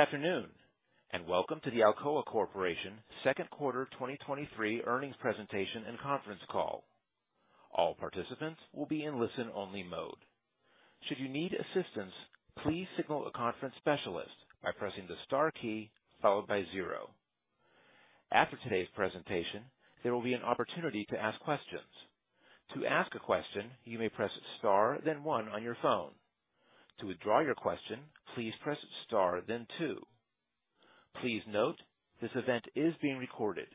Good afternoon, and welcome to the Alcoa Corporation Second Quarter 2023 Earnings Presentation and Conference Call. All participants will be in listen-only mode. Should you need assistance, please signal a conference specialist by pressing the star key followed by zero. After today's presentation, there will be an opportunity to ask questions. To ask a question, you may press star, then one on your phone. To withdraw your question, please press star, then two. Please note, this event is being recorded.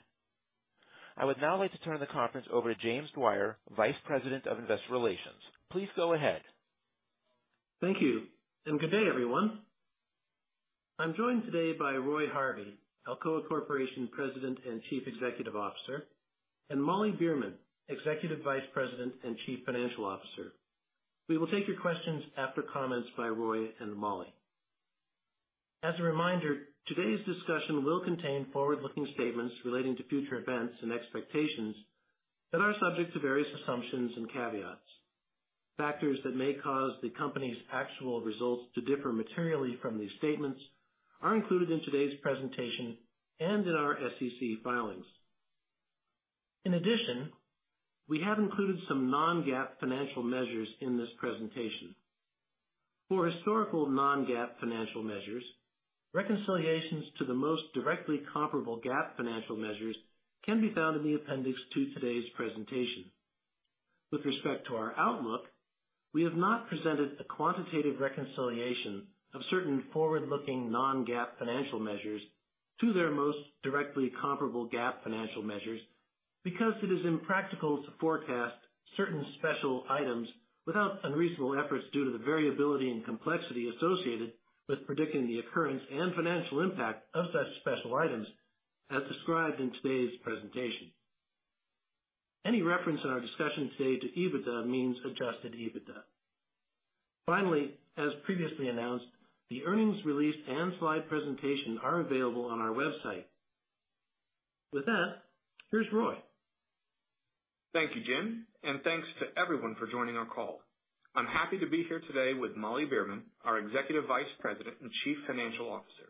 I would now like to turn the conference over to James Dwyer, Vice President of Investor Relations. Please go ahead. Thank you. Good day, everyone. I'm joined today by Roy Harvey, Alcoa Corporation President and Chief Executive Officer, and Molly Beerman, Executive Vice President and Chief Financial Officer. We will take your questions after comments by Roy and Molly. As a reminder, today's discussion will contain forward-looking statements relating to future events and expectations that are subject to various assumptions and caveats. Factors that may cause the company's actual results to differ materially from these statements are included in today's presentation and in our SEC filings. In addition, we have included some non-GAAP financial measures in this presentation. For historical non-GAAP financial measures, reconciliations to the most directly comparable GAAP financial measures can be found in the appendix to today's presentation. With respect to our outlook, we have not presented a quantitative reconciliation of certain forward-looking non-GAAP financial measures to their most directly comparable GAAP financial measures, because it is impractical to forecast certain special items without unreasonable efforts due to the variability and complexity associated with predicting the occurrence and financial impact of such special items, as described in today's presentation. Any reference in our discussion today to EBITDA means adjusted EBITDA. As previously announced, the earnings release and slide presentation are available on our website. With that, here's Roy. Thank you, Jim. Thanks to everyone for joining our call. I'm happy to be here today with Molly Beerman, our Executive Vice President and Chief Financial Officer.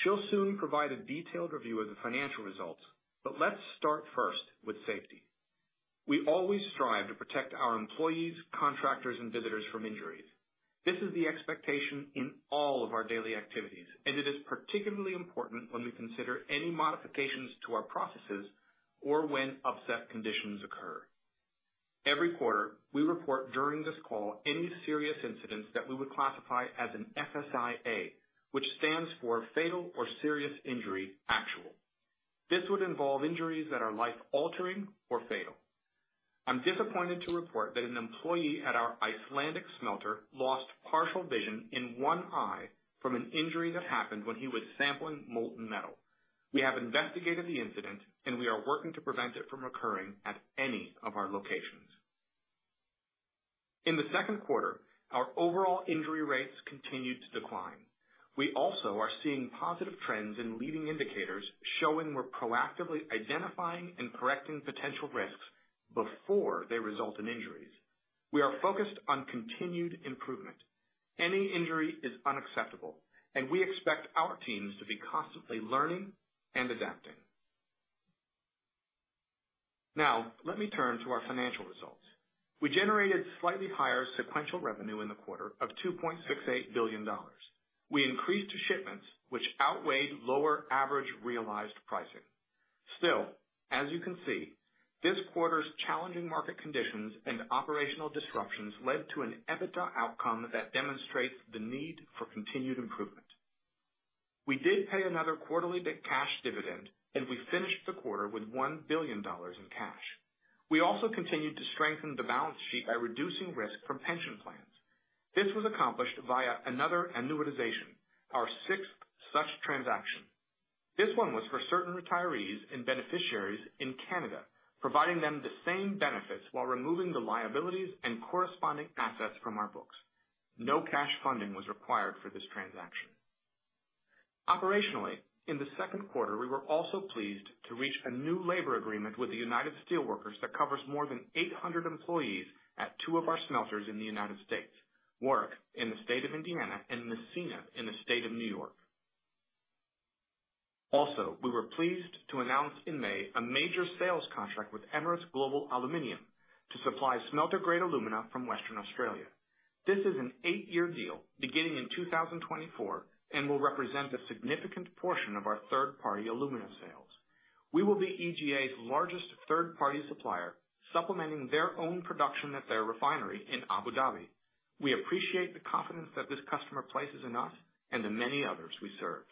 She'll soon provide a detailed review of the financial results. Let's start first with safety. We always strive to protect our employees, contractors, and visitors from injuries. This is the expectation in all of our daily activities. It is particularly important when we consider any modifications to our processes or when upset conditions occur. Every quarter, we report during this call any serious incidents that we would classify as an FSI-A, which stands for Fatal or Serious Injury Actual. This would involve injuries that are life-altering or fatal. I'm disappointed to report that an employee at our Icelandic smelter lost partial vision in one eye from an injury that happened when he was sampling molten metal. We have investigated the incident, and we are working to prevent it from occurring at any of our locations. In the second quarter, our overall injury rates continued to decline. We also are seeing positive trends in leading indicators, showing we're proactively identifying and correcting potential risks before they result in injuries. We are focused on continued improvement. Any injury is unacceptable, and we expect our teams to be constantly learning and adapting. Now, let me turn to our financial results. We generated slightly higher sequential revenue in the quarter of $2.68 billion. We increased shipments, which outweighed lower average realized pricing. Still, as you can see, this quarter's challenging market conditions and operational disruptions led to an EBITDA outcome that demonstrates the need for continued improvement. We did pay another quarterly big cash dividend, and we finished the quarter with $1 billion in cash. We also continued to strengthen the balance sheet by reducing risk from pension plans. This was accomplished via another annuitization, our sixth such transaction. This one was for certain retirees and beneficiaries in Canada, providing them the same benefits while removing the liabilities and corresponding assets from our books. No cash funding was required for this transaction. Operationally, in the second quarter, we were also pleased to reach a new labor agreement with the United Steelworkers that covers more than 800 employees at two of our smelters in the U.S., Warwick in the state of Indiana and Massena in the state of New York. We were pleased to announce in May a major sales contract with Emirates Global Aluminium to supply smelter-grade alumina from Western Australia. This is an eight-year deal beginning in 2024 and will represent a significant portion of our third-party aluminum sales. We will be EGA's largest third-party supplier, supplementing their own production at their refinery in Abu Dhabi. We appreciate the confidence that this customer places in us and the many others we serve.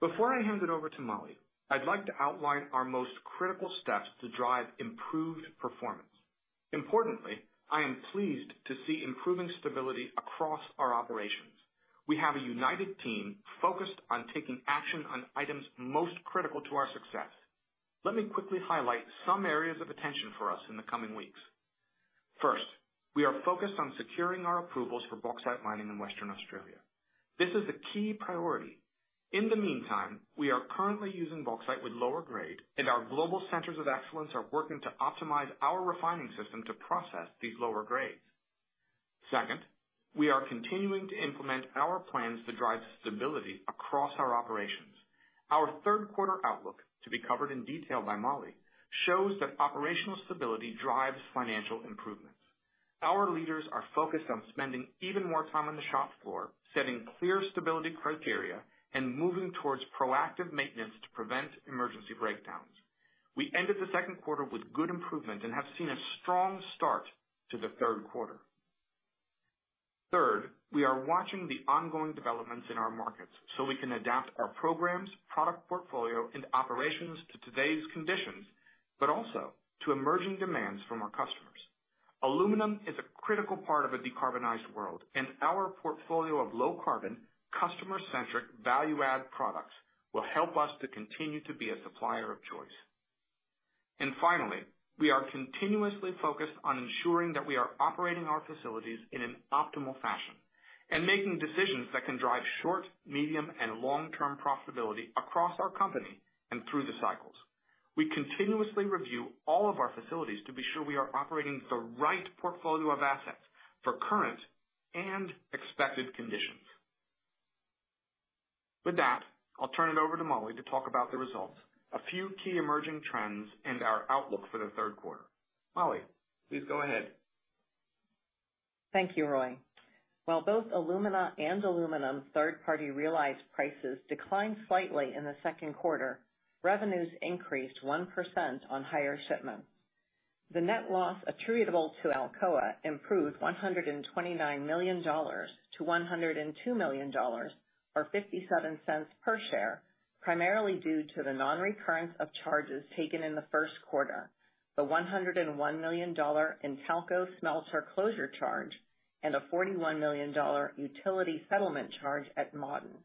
Before I hand it over to Molly, I'd like to outline our most critical steps to drive improved performance. Importantly, I am pleased to see improving stability across our operations. We have a united team focused on taking action on items most critical to our success. Let me quickly highlight some areas of attention for us in the coming weeks. First, we are focused on securing our approvals for bauxite mining in Western Australia. This is a key priority. In the meantime, we are currently using bauxite with lower grade, and our global centers of excellence are working to optimize our refining system to process these lower grades. Second, we are continuing to implement our plans to drive stability across our operations. Our third quarter outlook, to be covered in detail by Molly, shows that operational stability drives financial improvements. Our leaders are focused on spending even more time on the shop floor, setting clear stability criteria, and moving towards proactive maintenance to prevent emergency breakdowns. We ended the second quarter with good improvement and have seen a strong start to the third quarter. Third, we are watching the ongoing developments in our markets so we can adapt our programs, product portfolio, and operations to today's conditions, but also to emerging demands from our customers. Aluminum is a critical part of a decarbonized world, and our portfolio of low-carbon, customer-centric, value-add products will help us to continue to be a supplier of choice. Finally, we are continuously focused on ensuring that we are operating our facilities in an optimal fashion and making decisions that can drive short, medium, and long-term profitability across our company and through the cycles. We continuously review all of our facilities to be sure we are operating the right portfolio of assets for current and expected conditions. With that, I'll turn it over to Molly to talk about the results, a few key emerging trends, and our outlook for the third quarter. Molly, please go ahead. Thank you, Roy. While both alumina and aluminum third-party realized prices declined slightly in the second quarter, revenues increased 1% on higher shipments. The net loss attributable to Alcoa improved $129 million-$102 million, or $0.57 per share, primarily due to the non-recurrence of charges taken in the first quarter, the $101 million Intalco smelter closure charge, and a $41 million utility settlement charge at Massena.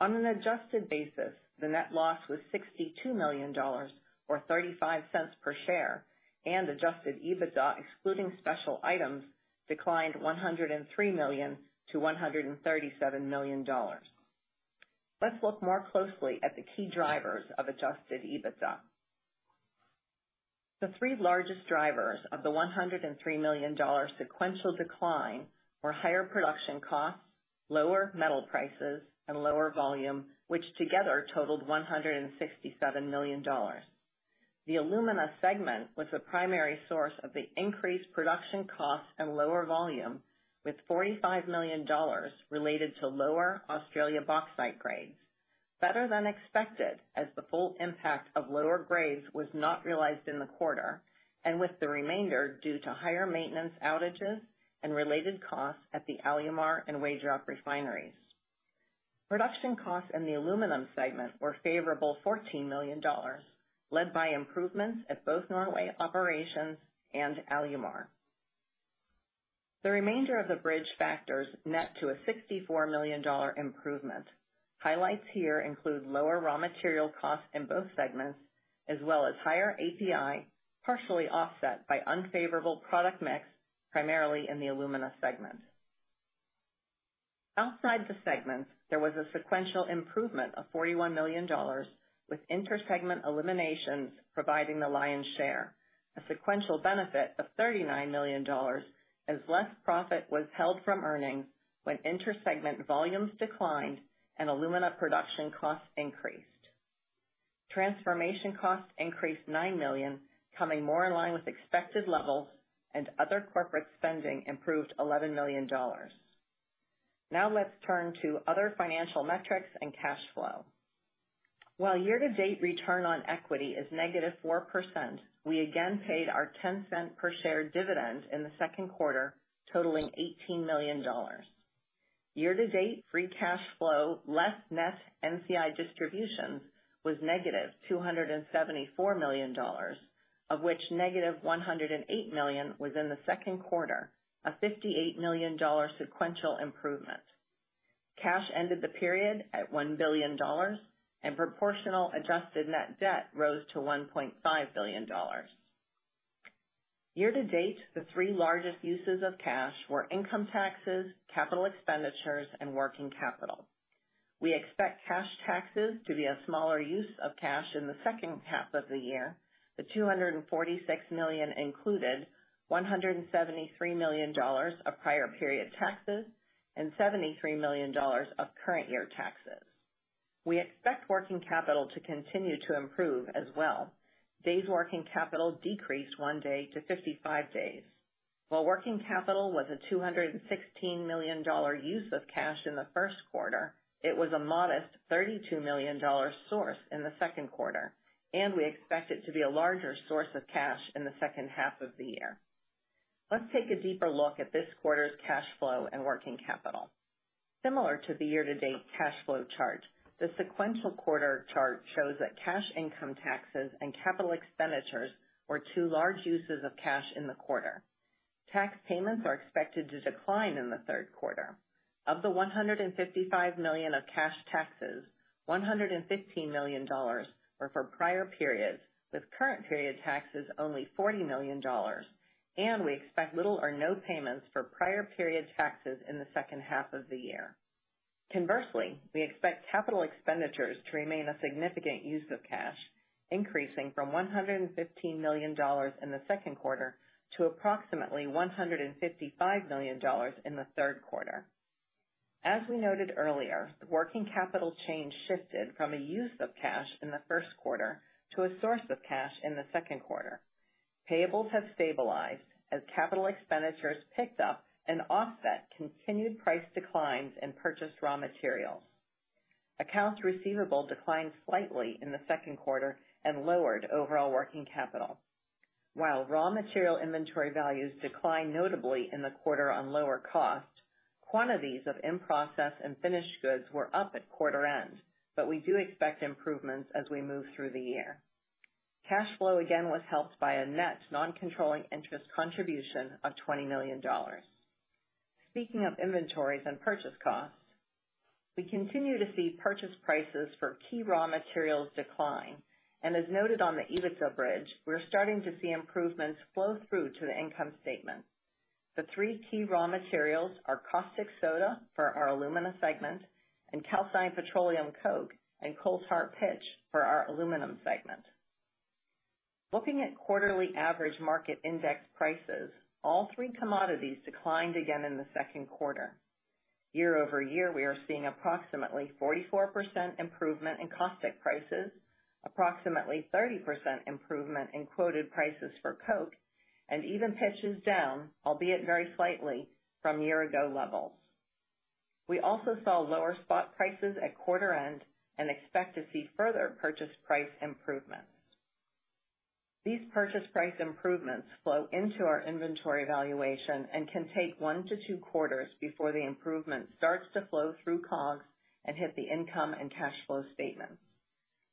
On an adjusted basis, the net loss was $62 million, or $0.35 per share, and adjusted EBITDA, excluding special items, declined $103 million-$137 million. Let's look more closely at the key drivers of adjusted EBITDA. The three largest drivers of the $103 million sequential decline were higher production costs, lower metal prices, and lower volume, which together totaled $167 million. The alumina segment was the primary source of the increased production costs and lower volume, with $45 million related to lower Australia bauxite grades, better than expected, as the full impact of lower grades was not realized in the quarter, and with the remainder due to higher maintenance outages and related costs at the Alumar and Wagerup refineries. Production costs in the aluminum segment were favorable $14 million, led by improvements at both Norway operations and Alumar. The remainder of the bridge factors net to a $64 million improvement. Highlights here include lower raw material costs in both segments, as well as higher API, partially offset by unfavorable product mix, primarily in the alumina segment. Outside the segments, there was a sequential improvement of $41 million, with intersegment eliminations providing the lion's share, a sequential benefit of $39 million as less profit was held from earnings when intersegment volumes declined and alumina production costs increased. Transformation costs increased $9 million, coming more in line with expected levels, and other corporate spending improved $11 million. Let's turn to other financial metrics and cash flow. While year-to-date return on equity is negative 4%, we again paid our $0.10 per share dividend in the second quarter, totaling $18 million. Year-to-date, free cash flow less net NCI distributions was -$274 million, of which -$108 million was in the second quarter, a $58 million sequential improvement. Cash ended the period at $1 billion, and proportional adjusted net debt rose to $1.5 billion. Year-to-date, the three largest uses of cash were income taxes, capital expenditures, and working capital. We expect cash taxes to be a smaller use of cash in the second half of the year. The $246 million included $173 million of prior period taxes and $73 million of current year taxes. We expect working capital to continue to improve as well. Days working capital decreased one day to 55 days. While working capital was a $216 million use of cash in the first quarter, it was a modest $32 million source in the second quarter. We expect it to be a larger source of cash in the second half of the year. Let's take a deeper look at this quarter's cash flow and working capital. Similar to the year-to-date cash flow chart, the sequential quarter chart shows that cash income taxes and capital expenditures were two large uses of cash in the quarter. Tax payments are expected to decline in the third quarter. Of the $155 million of cash taxes, $115 million were for prior periods, with current period taxes only $40 million. We expect little or no payments for prior period taxes in the second half of the year. Conversely, we expect capital expenditures to remain a significant use of cash, increasing from $115 million in the second quarter to approximately $155 million in the third quarter. As we noted earlier, working capital change shifted from a use of cash in the first quarter to a source of cash in the second quarter. Payables have stabilized as capital expenditures picked up and offset continued price declines in purchased raw materials. Accounts receivable declined slightly in the second quarter and lowered overall working capital. While raw material inventory values declined notably in the quarter on lower cost, quantities of in-process and finished goods were up at quarter end, but we do expect improvements as we move through the year. Cash flow again was helped by a net non-controlling interest contribution of $20 million. Speaking of inventories and purchase costs, we continue to see purchase prices for key raw materials decline, and as noted on the EBITDA bridge, we're starting to see improvements flow through to the income statement. The three key raw materials are caustic soda for our alumina segment and calcined petroleum coke and coal tar pitch for our aluminum segment. Looking at quarterly average market index prices, all three commodities declined again in the second quarter. Year-over-year, we are seeing approximately 44% improvement in caustic prices, approximately 30% improvement in quoted prices for coke, and even pitches down, albeit very slightly, from year ago levels. We also saw lower spot prices at quarter end and expect to see further purchase price improvements. These purchase price improvements flow into our inventory valuation and can take one to two quarters before the improvement starts to flow through COGS and hit the income and cash flow statement.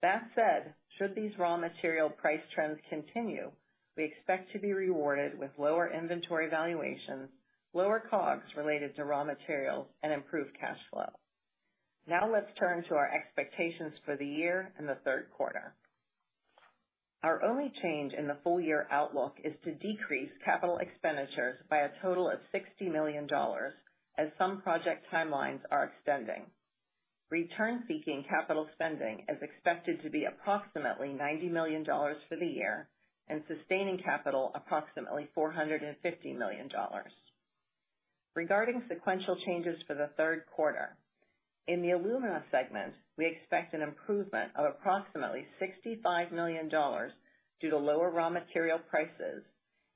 That said, should these raw material price trends continue, we expect to be rewarded with lower inventory valuations, lower COGS related to raw materials, and improved cash flow. Let's turn to our expectations for the year and the third quarter. Our only change in the full year outlook is to decrease capital expenditures by a total of $60 million, as some project timelines are extending. Return-seeking capital spending is expected to be approximately $90 million for the year and sustaining capital approximately $450 million. Regarding sequential changes for the third quarter, in the alumina segment, we expect an improvement of approximately $65 million due to lower raw material prices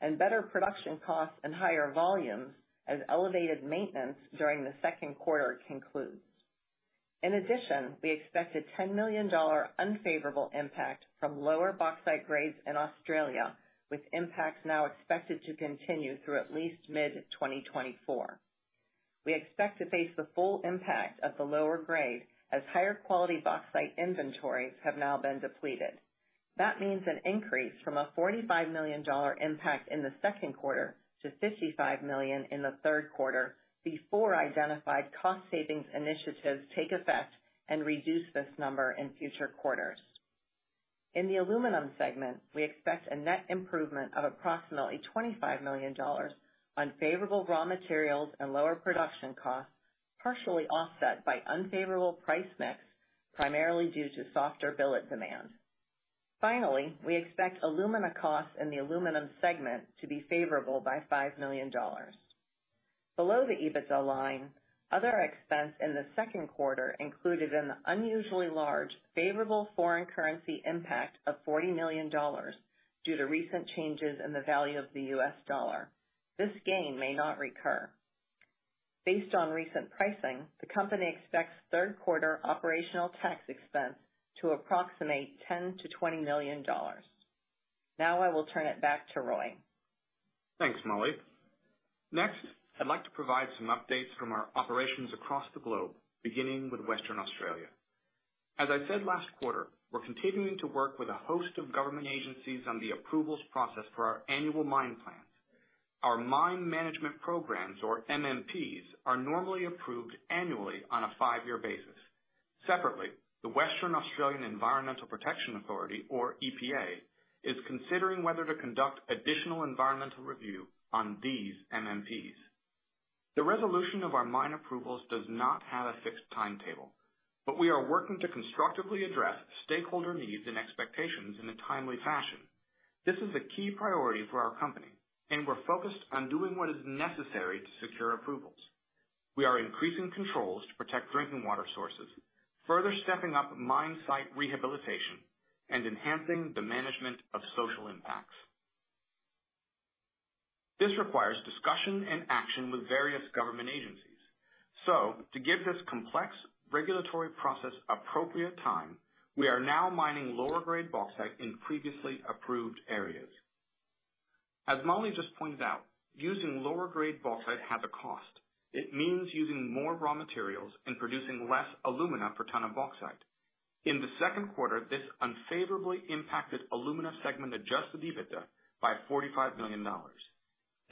and better production costs and higher volumes as elevated maintenance during the second quarter concludes. We expect a $10 million unfavorable impact from lower bauxite grades in Australia, with impacts now expected to continue through at least mid-2024. We expect to face the full impact of the lower grade as higher quality bauxite inventories have now been depleted. That means an increase from a $45 million impact in the second quarter to $55 million in the third quarter, before identified cost savings initiatives take effect and reduce this number in future quarters. In the aluminum segment, we expect a net improvement of approximately $25 million on favorable raw materials and lower production costs, partially offset by unfavorable price mix, primarily due to softer billet demand. Finally, we expect alumina costs in the aluminum segment to be favorable by $5 million. Below the EBITDA line, other expense in the second quarter included an unusually large, favorable foreign currency impact of $40 million due to recent changes in the value of the US dollar. This gain may not recur. Based on recent pricing, the company expects third quarter operational tax expense to approximate $10 million-$20 million. Now I will turn it back to Roy. Thanks, Molly. Next, I'd like to provide some updates from our operations across the globe, beginning with Western Australia. As I said last quarter, we're continuing to work with a host of government agencies on the approvals process for our annual mine plans. Our Mine Management Programs, or MMPs, are normally approved annually on a five-year basis. Separately, the Western Australian Environmental Protection Authority, or EPA, is considering whether to conduct additional environmental review on these MMPs. The resolution of our mine approvals does not have a fixed timetable, but we are working to constructively address stakeholder needs and expectations in a timely fashion. This is a key priority for our company. We're focused on doing what is necessary to secure approvals. We are increasing controls to protect drinking water sources, further stepping up mine site rehabilitation, and enhancing the management of social impacts. This requires discussion and action with various government agencies. To give this complex regulatory process appropriate time, we are now mining lower-grade bauxite in previously approved areas. As Molly just pointed out, using lower-grade bauxite has a cost. It means using more raw materials and producing less alumina per ton of bauxite. In the second quarter, this unfavorably impacted alumina segment adjusted EBITDA by $45 million.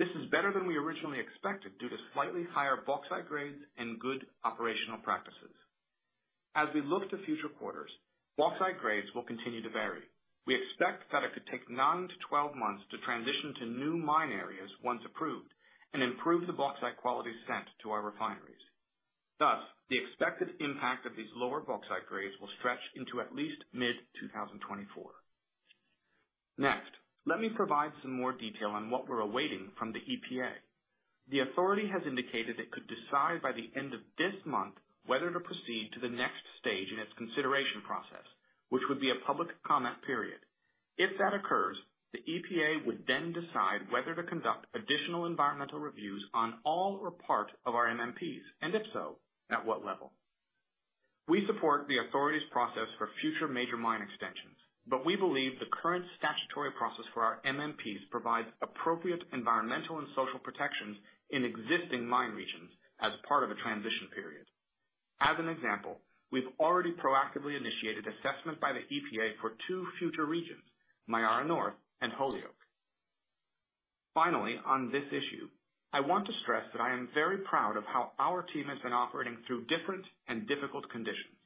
This is better than we originally expected due to slightly higher bauxite grades and good operational practices. We look to future quarters, bauxite grades will continue to vary. We expect that it could take 9-12 months to transition to new mine areas once approved, and improve the bauxite quality sent to our refineries. The expected impact of these lower bauxite grades will stretch into at least mid-2024. Next, let me provide some more detail on what we're awaiting from the EPA. The authority has indicated it could decide by the end of this month whether to proceed to the next stage in its consideration process, which would be a public comment period. If that occurs, the EPA would then decide whether to conduct additional environmental reviews on all or part of our MMPs, and if so, at what level. We support the authority's process for future major mine extensions, but we believe the current statutory process for our MMPs provides appropriate environmental and social protections in existing mine regions as part of a transition period. As an example, we've already proactively initiated assessment by the EPA for two future regions, Myara North and Holyoake. Finally, on this issue, I want to stress that I am very proud of how our team has been operating through different and difficult conditions.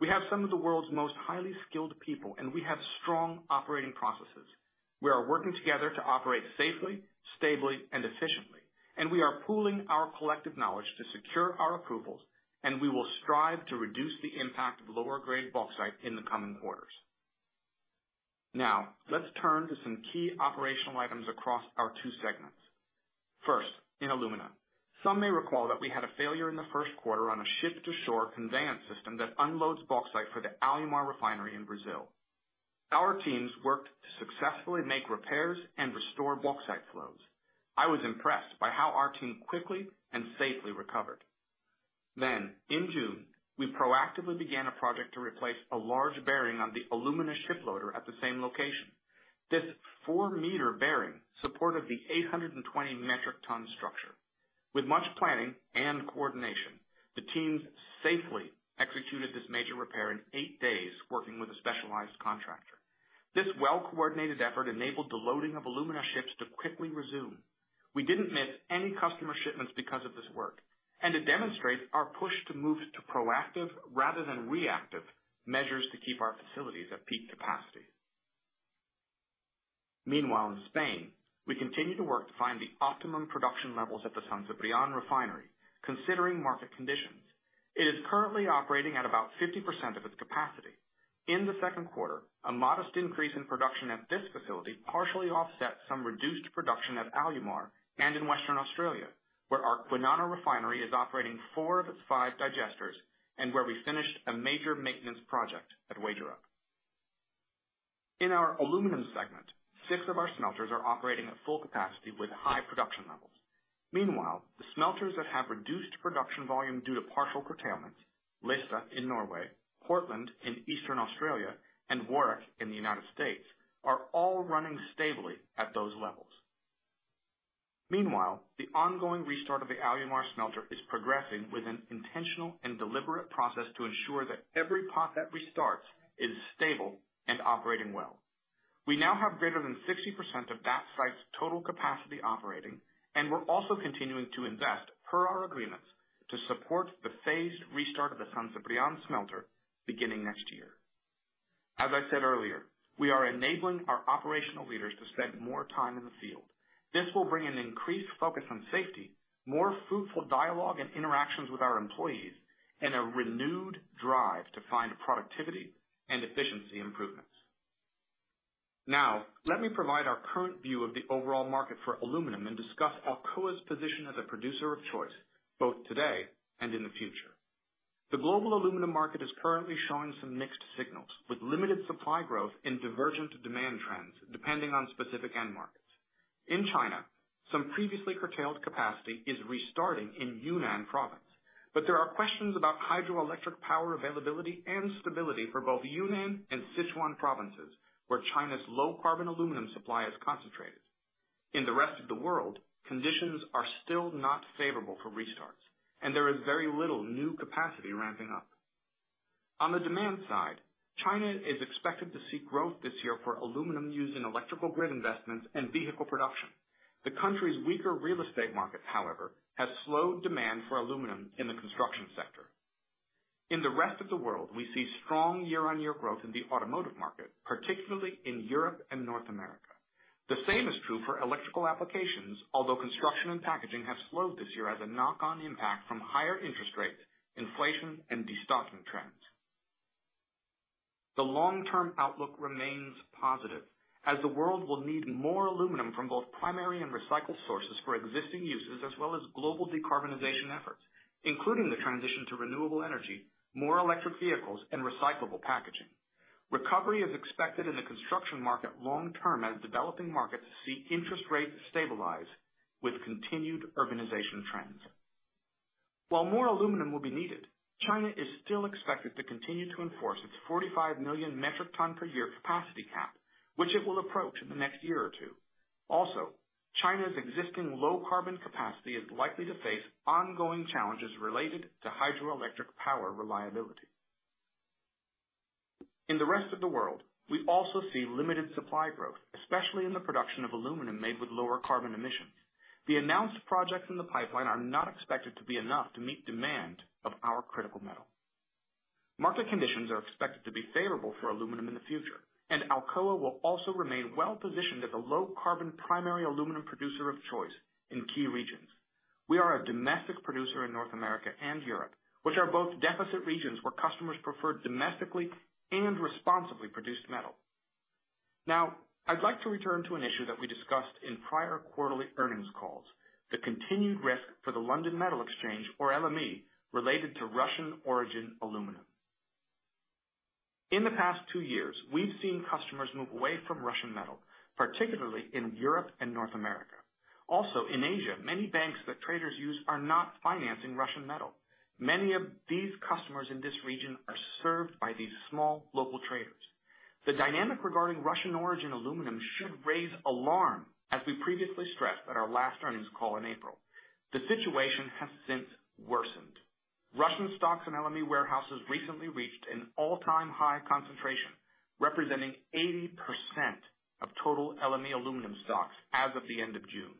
We have some of the world's most highly skilled people, and we have strong operating processes. We are working together to operate safely, stably, and efficiently, and we are pooling our collective knowledge to secure our approvals, and we will strive to reduce the impact of lower grade bauxite in the coming quarters. Now, let's turn to some key operational items across our two segments. First, in alumina. Some may recall that we had a failure in the first quarter on a ship-to-shore conveyance system that unloads bauxite for the Alumar refinery in Brazil. Our teams worked to successfully make repairs and restore bauxite flows. I was impressed by how our team quickly and safely recovered. In June, we proactively began a project to replace a large bearing on the alumina ship loader at the same location. This 4 m bearing supported the 820 metric ton structure. With much planning and coordination, the teams safely executed this major repair in eight days, working with a specialized contractor. This well-coordinated effort enabled the loading of alumina ships to quickly resume. We didn't miss any customer shipments because of this work, and it demonstrates our push to move to proactive rather than reactive measures to keep our facilities at peak capacity. Meanwhile, in Spain, we continue to work to find the optimum production levels at the San Ciprián refinery, considering market conditions. It is currently operating at about 50% of its capacity. In the second quarter, a modest increase in production at this facility partially offset some reduced production at Alumar and in Western Australia, where our Kwinana refinery is operating four of its five digesters and where we finished a major maintenance project at Wagerup. In our aluminum segment, six of our smelters are operating at full capacity with high production levels. The smelters that have reduced production volume due to partial curtailments, Lista in Norway, Portland in Eastern Australia, and Warwick in the United States, are all running stably at those levels. The ongoing restart of the Alumar smelter is progressing with an intentional and deliberate process to ensure that every pot that restarts is stable and operating well. We now have greater than 60% of that site's total capacity operating, and we're also continuing to invest, per our agreements, to support the phased restart of the San Ciprián smelter beginning next year. As I said earlier, we are enabling our operational leaders to spend more time in the field. This will bring an increased focus on safety, more fruitful dialogue and interactions with our employees, and a renewed drive to find productivity and efficiency improvements. Now, let me provide our current view of the overall market for aluminum and discuss Alcoa's position as a producer of choice, both today and in the future. The global aluminum market is currently showing some mixed signals, with limited supply growth and divergent demand trends, depending on specific end markets. In China, some previously curtailed capacity is restarting in Yunnan Province, but there are questions about hydroelectric power availability and stability for both Yunnan and Sichuan Province, where China's low-carbon aluminum supply is concentrated. In the rest of the world, conditions are still not favorable for restarts, and there is very little new capacity ramping up. On the demand side, China is expected to see growth this year for aluminum used in electrical grid investments and vehicle production. The country's weaker real estate market, however, has slowed demand for aluminum in the construction sector. In the rest of the world, we see strong year-on-year growth in the automotive market, particularly in Europe and North America. The same is true for electrical applications, although construction and packaging have slowed this year as a knock-on impact from higher interest rates, inflation, and destocking trends. The long-term outlook remains positive, as the world will need more aluminum from both primary and recycled sources for existing uses, as well as global decarbonization efforts, including the transition to renewable energy, more electric vehicles, and recyclable packaging. Recovery is expected in the construction market long term, as developing markets see interest rates stabilize with continued urbanization trends. While more aluminum will be needed, China is still expected to continue to enforce its 45 million metric ton per year capacity cap, which it will approach in the next year or two. China's existing low-carbon capacity is likely to face ongoing challenges related to hydroelectric power reliability. In the rest of the world, we also see limited supply growth, especially in the production of aluminum made with lower carbon emissions. The announced projects in the pipeline are not expected to be enough to meet demand of our critical metal. Market conditions are expected to be favorable for aluminum in the future. Alcoa will also remain well positioned as a low-carbon primary aluminum producer of choice in key regions. We are a domestic producer in North America and Europe, which are both deficit regions where customers prefer domestically and responsibly produced metal. I'd like to return to an issue that we discussed in prior quarterly earnings calls, the continued risk for the London Metal Exchange, or LME, related to Russian origin aluminum. In the past two years, we've seen customers move away from Russian metal, particularly in Europe and North America. Also, in Asia, many banks that traders use are not financing Russian metal. Many of these customers in this region are served by these small local traders. The dynamic regarding Russian origin aluminum should raise alarm, as we previously stressed at our last earnings call in April. The situation has since worsened. Russian stocks in LME warehouses recently reached an all-time high concentration, representing 80% of total LME aluminum stocks as of the end of June.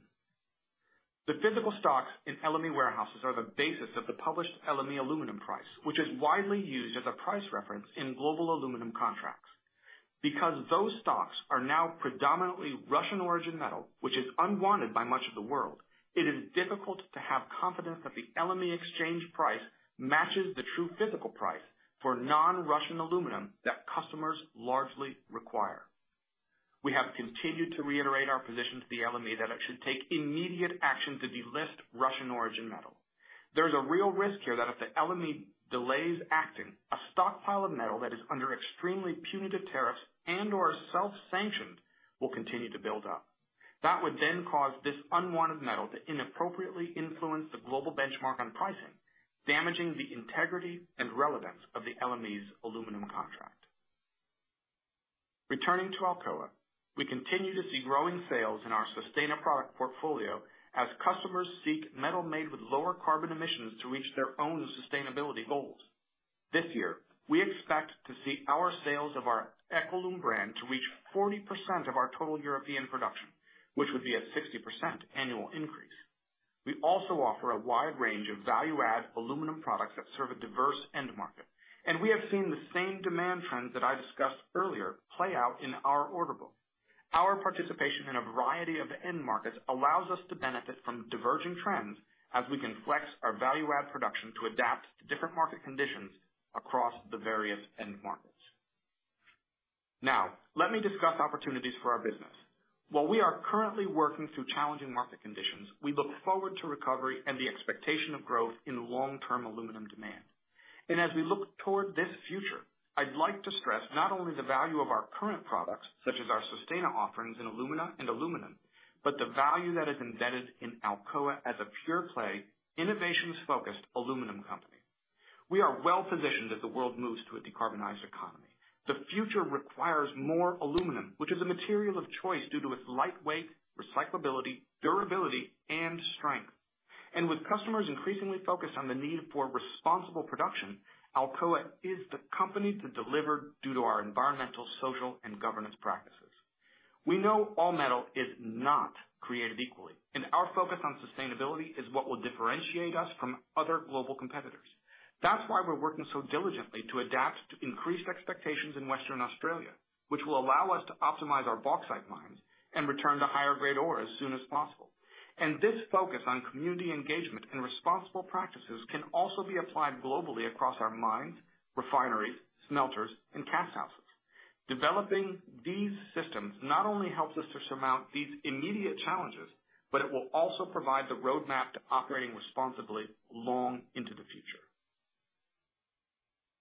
The physical stocks in LME warehouses are the basis of the published LME aluminum price, which is widely used as a price reference in global aluminum contracts. Those stocks are now predominantly Russian origin metal, which is unwanted by much of the world, it is difficult to have confidence that the LME exchange price matches the true physical price for non-Russian aluminum that customers largely require. We have continued to reiterate our position to the LME that it should take immediate action to delist Russian origin metal. There's a real risk here that if the LME delays acting, a stockpile of metal that is under extremely punitive tariffs and/or self-sanctioned will continue to build up. That would then cause this unwanted metal to inappropriately influence the global benchmark on pricing, damaging the integrity and relevance of the LME's aluminum contract. Returning to Alcoa, we continue to see growing sales in our Sustana product portfolio as customers seek metal made with lower carbon emissions to reach their own sustainability goals. This year, we expect to see our sales of our EcoLum brand to reach 40% of our total European production, which would be a 60% annual increase. We also offer a wide range of value-add aluminum products that serve a diverse end market. We have seen the same demand trends that I discussed earlier play out in our order book. Our participation in a variety of end markets allows us to benefit from diverging trends as we can flex our value-add production to adapt to different market conditions across the various end markets. Let me discuss opportunities for our business. While we are currently working through challenging market conditions, we look forward to recovery and the expectation of growth in long-term aluminum demand. As we look toward this future, I'd like to stress not only the value of our current products, such as our Sustana offerings in alumina and aluminum, but the value that is embedded in Alcoa as a pure-play, innovations-focused aluminum company. We are well positioned as the world moves to a decarbonized economy. The future requires more aluminum, which is a material of choice due to its light weight, recyclability, durability, and strength. With customers increasingly focused on the need for responsible production, Alcoa is the company to deliver due to our environmental, social, and governance practices. We know all metal is not created equally, and our focus on sustainability is what will differentiate us from other global competitors. That's why we're working so diligently to adapt to increased expectations in Western Australia, which will allow us to optimize our bauxite mines and return to higher-grade ore as soon as possible. This focus on community engagement and responsible practices can also be applied globally across our mines, refineries, smelters, and cast houses. Developing these systems not only helps us to surmount these immediate challenges, but it will also provide the roadmap to operating responsibly long into the future.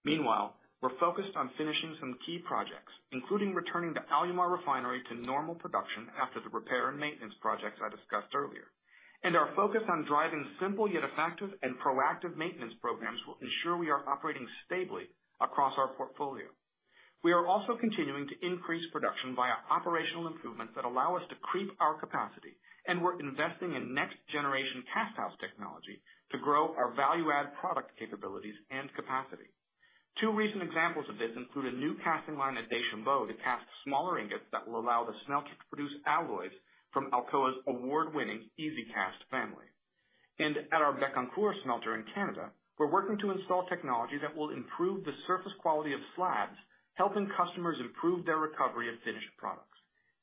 Meanwhile, we're focused on finishing some key projects, including returning the Alumar refinery to normal production after the repair and maintenance projects I discussed earlier. Our focus on driving simple yet effective and proactive maintenance programs will ensure we are operating stably across our portfolio. We are also continuing to increase production via operational improvements that allow us to creep our capacity, and we're investing in next-generation cast house technology to grow our value-add product capabilities and capacity. Two recent examples of this include a new casting line at Deschambault to cast smaller ingots that will allow the smelter to produce alloys from Alcoa's award-winning EZCast family. At our Bécancour smelter in Canada, we're working to install technology that will improve the surface quality of slabs, helping customers improve their recovery of finished products.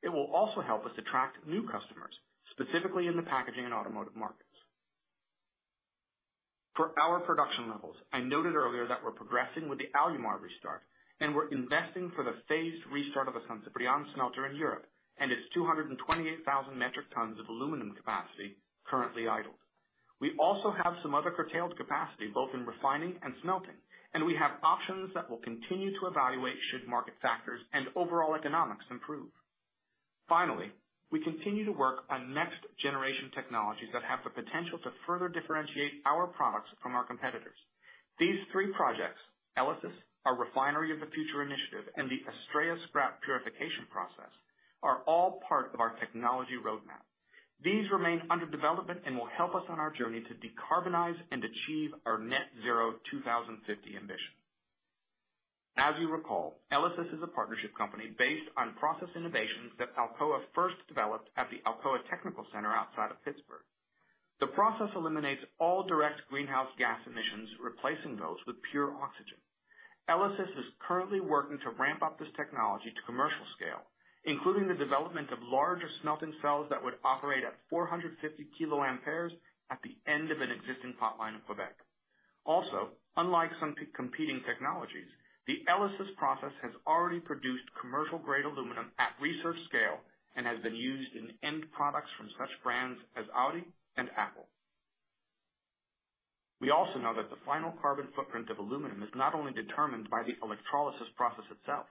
It will also help us attract new customers, specifically in the packaging and automotive markets. For our production levels, I noted earlier that we're progressing with the Alumar restart, and we're investing for the phased restart of the San Ciprián smelter in Europe and its 228,000 metric tons of aluminum capacity currently idled. We also have some other curtailed capacity, both in refining and smelting. We have options that we'll continue to evaluate should market factors and overall economics improve. We continue to work on next-generation technologies that have the potential to further differentiate our products from our competitors. These three projects, ELYSIS, our Refinery of the Future initiative, and the ASTRAEA scrap purification process, are all part of our technology roadmap. These remain under development and will help us on our journey to decarbonize and achieve our net zero 2050 ambition. As you recall, ELYSIS is a partnership company based on process innovations that Alcoa first developed at the Alcoa Technical Center outside of Pittsburgh. The process eliminates all direct greenhouse gas emissions, replacing those with pure oxygen. ELYSIS is currently working to ramp up this technology to commercial scale, including the development of larger smelting cells that would operate at 450 kA at the end of an existing pipeline in Quebec. Unlike some competing technologies, the ELYSIS process has already produced commercial-grade aluminum at research scale and has been used in end products from such brands as Audi and Apple. We also know that the final carbon footprint of aluminum is not only determined by the electrolysis process itself,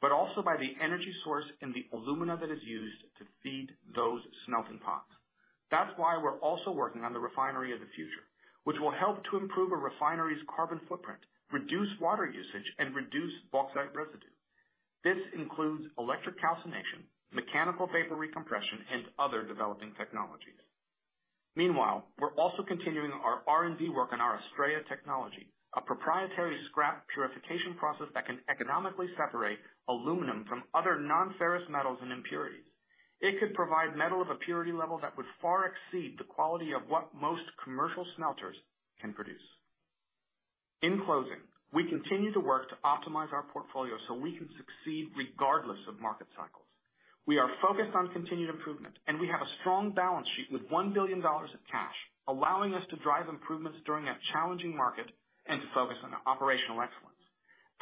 but also by the energy source and the alumina that is used to feed those smelting pots. That's why we're also working on the Refinery of the Future, which will help to improve a refinery's carbon footprint, reduce water usage, and reduce bauxite residue. This includes electric calcination, mechanical vapor recompression, and other developing technologies. Meanwhile, we're also continuing our R&D work on our ASTRAEA technology, a proprietary scrap purification process that can economically separate aluminum from other non-ferrous metals and impurities. It could provide metal of a purity level that would far exceed the quality of what most commercial smelters can produce. In closing, we continue to work to optimize our portfolio so we can succeed regardless of market cycles. We are focused on continued improvement. We have a strong balance sheet with $1 billion of cash, allowing us to drive improvements during a challenging market and to focus on operational excellence.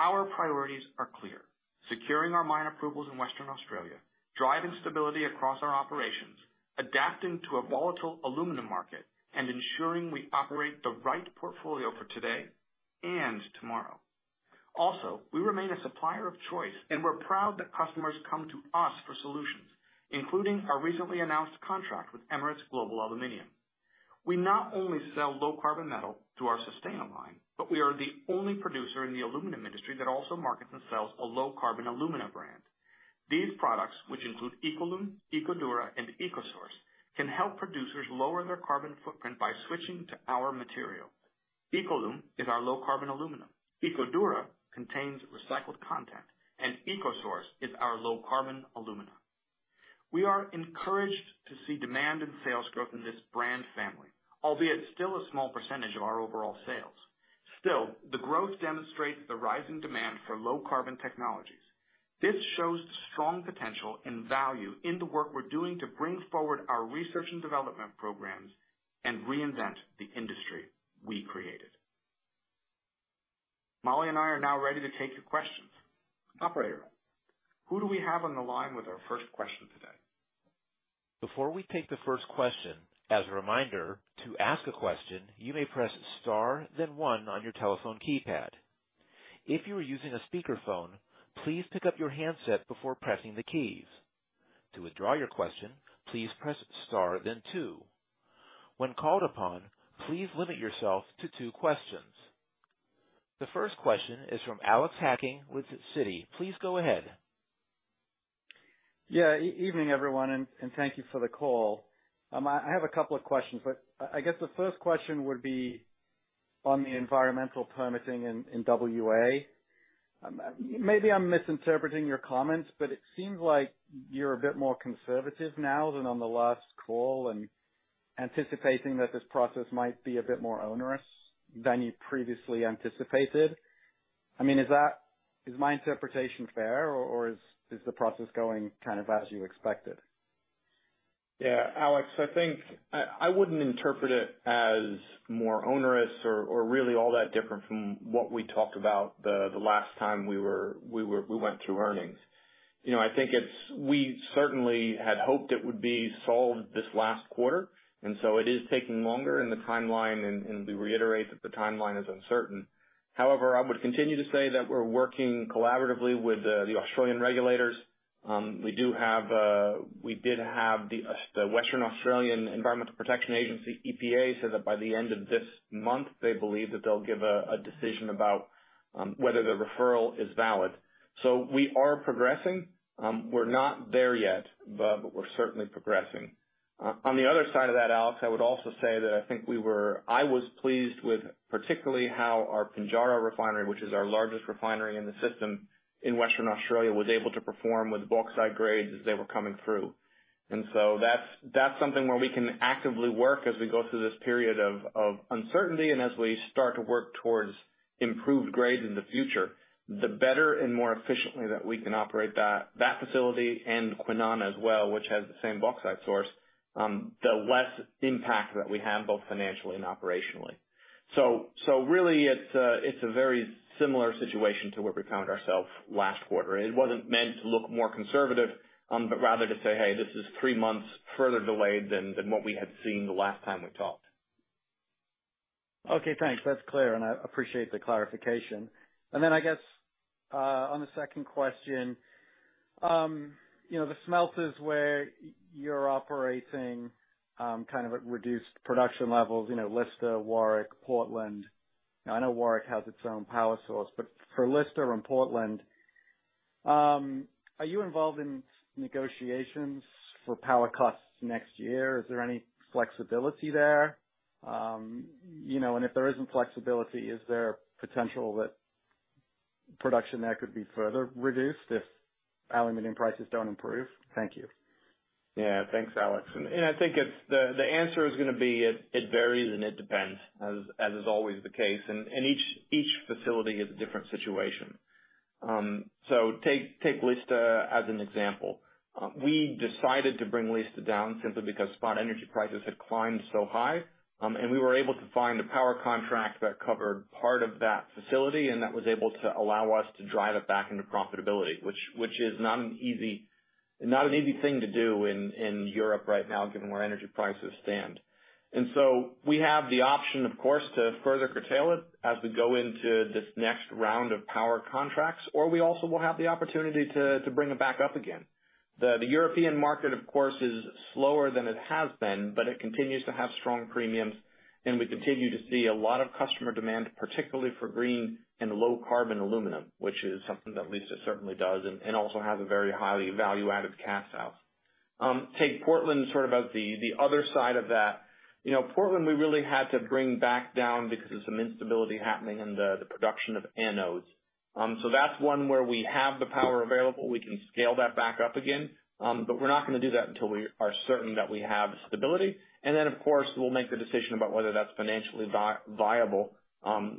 Our priorities are clear: securing our mine approvals in Western Australia, driving stability across our operations, adapting to a volatile aluminum market, and ensuring we operate the right portfolio for today and tomorrow. We remain a supplier of choice, and we're proud that customers come to us for solutions, including our recently announced contract with Emirates Global Aluminium. We not only sell low-carbon metal through our Sustana line, but we are the only producer in the aluminum industry that also markets and sells a low-carbon alumina brand. These products, which include EcoLum, EcoDura, and EcoSource, can help producers lower their carbon footprint by switching to our material. EcoLum is our low-carbon aluminum, EcoDura contains recycled content, and EcoSource is our low-carbon alumina. We are encouraged to see demand and sales growth in this brand family, albeit still a small % of our overall sales. The growth demonstrates the rising demand for low-carbon technologies. This shows the strong potential and value in the work we're doing to bring forward our research and development programs and reinvent the industry we created. Molly and I are now ready to take your questions. Operator, who do we have on the line with our first question today? Before we take the first question, as a reminder, to ask a question, you may press star, then one on your telephone keypad. If you are using a speakerphone, please pick up your handset before pressing the keys. To withdraw your question, please press star then two. When called upon, please limit yourself to two questions. The first question is from Alexander Hacking with Citi. Please go ahead. Yeah, evening, everyone, and thank you for the call. I have a couple of questions, but I guess the first question would be on the environmental permitting in WA. Maybe I'm misinterpreting your comments, but it seems like you're a bit more conservative now than on the last call, and anticipating that this process might be a bit more onerous than you previously anticipated. I mean, is my interpretation fair, or is the process going kind of as you expected? Yeah, Alex, I think I wouldn't interpret it as more onerous or really all that different from what we talked about the last time we went through earnings. You know, I think we certainly had hoped it would be solved this last quarter, and so it is taking longer in the timeline, and we reiterate that the timeline is uncertain. However, I would continue to say that we're working collaboratively with the Australian regulators. We do have, we did have the Western Australian Environmental Protection Authority, EPA, say that by the end of this month, they believe that they'll give a decision about whether the referral is valid. We are progressing. We're not there yet, but we're certainly progressing. On the other side of that, Alex, I would also say that I think I was pleased with particularly how our Pinjarra refinery, which is our largest refinery in the system in Western Australia, was able to perform with bauxite grades as they were coming through. That's something where we can actively work as we go through this period of uncertainty and as we start to work towards improved grades in the future, the better and more efficiently that we can operate that facility and Kwinana as well, which has the same bauxite source, the less impact that we have, both financially and operationally. Really, it's a very similar situation to where we found ourselves last quarter. It wasn't meant to look more conservative, but rather to say, "Hey, this is three months further delayed than what we had seen the last time we talked. Okay, thanks. That's clear, and I appreciate the clarification. Then I guess, on the second question, you know, the smelters where you're operating, kind of at reduced production levels, you know, Lista, Warwick, Portland. I know Warwick has its own power source, but for Lista and Portland. Are you involved in negotiations for power costs next year? Is there any flexibility there? You know, if there isn't flexibility, is there potential that production there could be further reduced if aluminum prices don't improve? Thank you. Yeah, thanks, Alex. I think the answer is gonna be it varies and it depends, as is always the case. Each facility is a different situation. So take Lista as an example. We decided to bring Lista down simply because spot energy prices had climbed so high. We were able to find a power contract that covered part of that facility, and that was able to allow us to drive it back into profitability, which is not an easy thing to do in Europe right now, given where energy prices stand. So we have the option, of course, to further curtail it as we go into this next round of power contracts, or we also will have the opportunity to bring it back up again. The European market, of course, is slower than it has been, but it continues to have strong premiums, and we continue to see a lot of customer demand, particularly for green and low-carbon aluminum, which is something that Lista certainly does and also has a very highly value-added casthouse. Take Portland sort of as the other side of that. You know, Portland, we really had to bring back down because of some instability happening in the production of anodes. That's one where we have the power available. We can scale that back up again, but we're not going to do that until we are certain that we have stability. Then, of course, we'll make the decision about whether that's financially viable,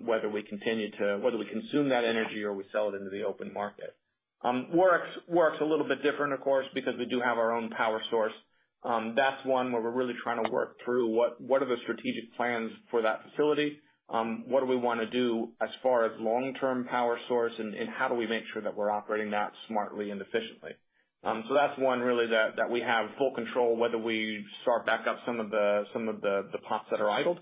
whether we consume that energy or we sell it into the open market. Works a little bit different, of course, because we do have our own power source. That's one where we're really trying to work through what are the strategic plans for that facility? What do we want to do as far as long-term power source, and how do we make sure that we're operating that smartly and efficiently? That's one really that we have full control, whether we start back up some of the pots that are idled,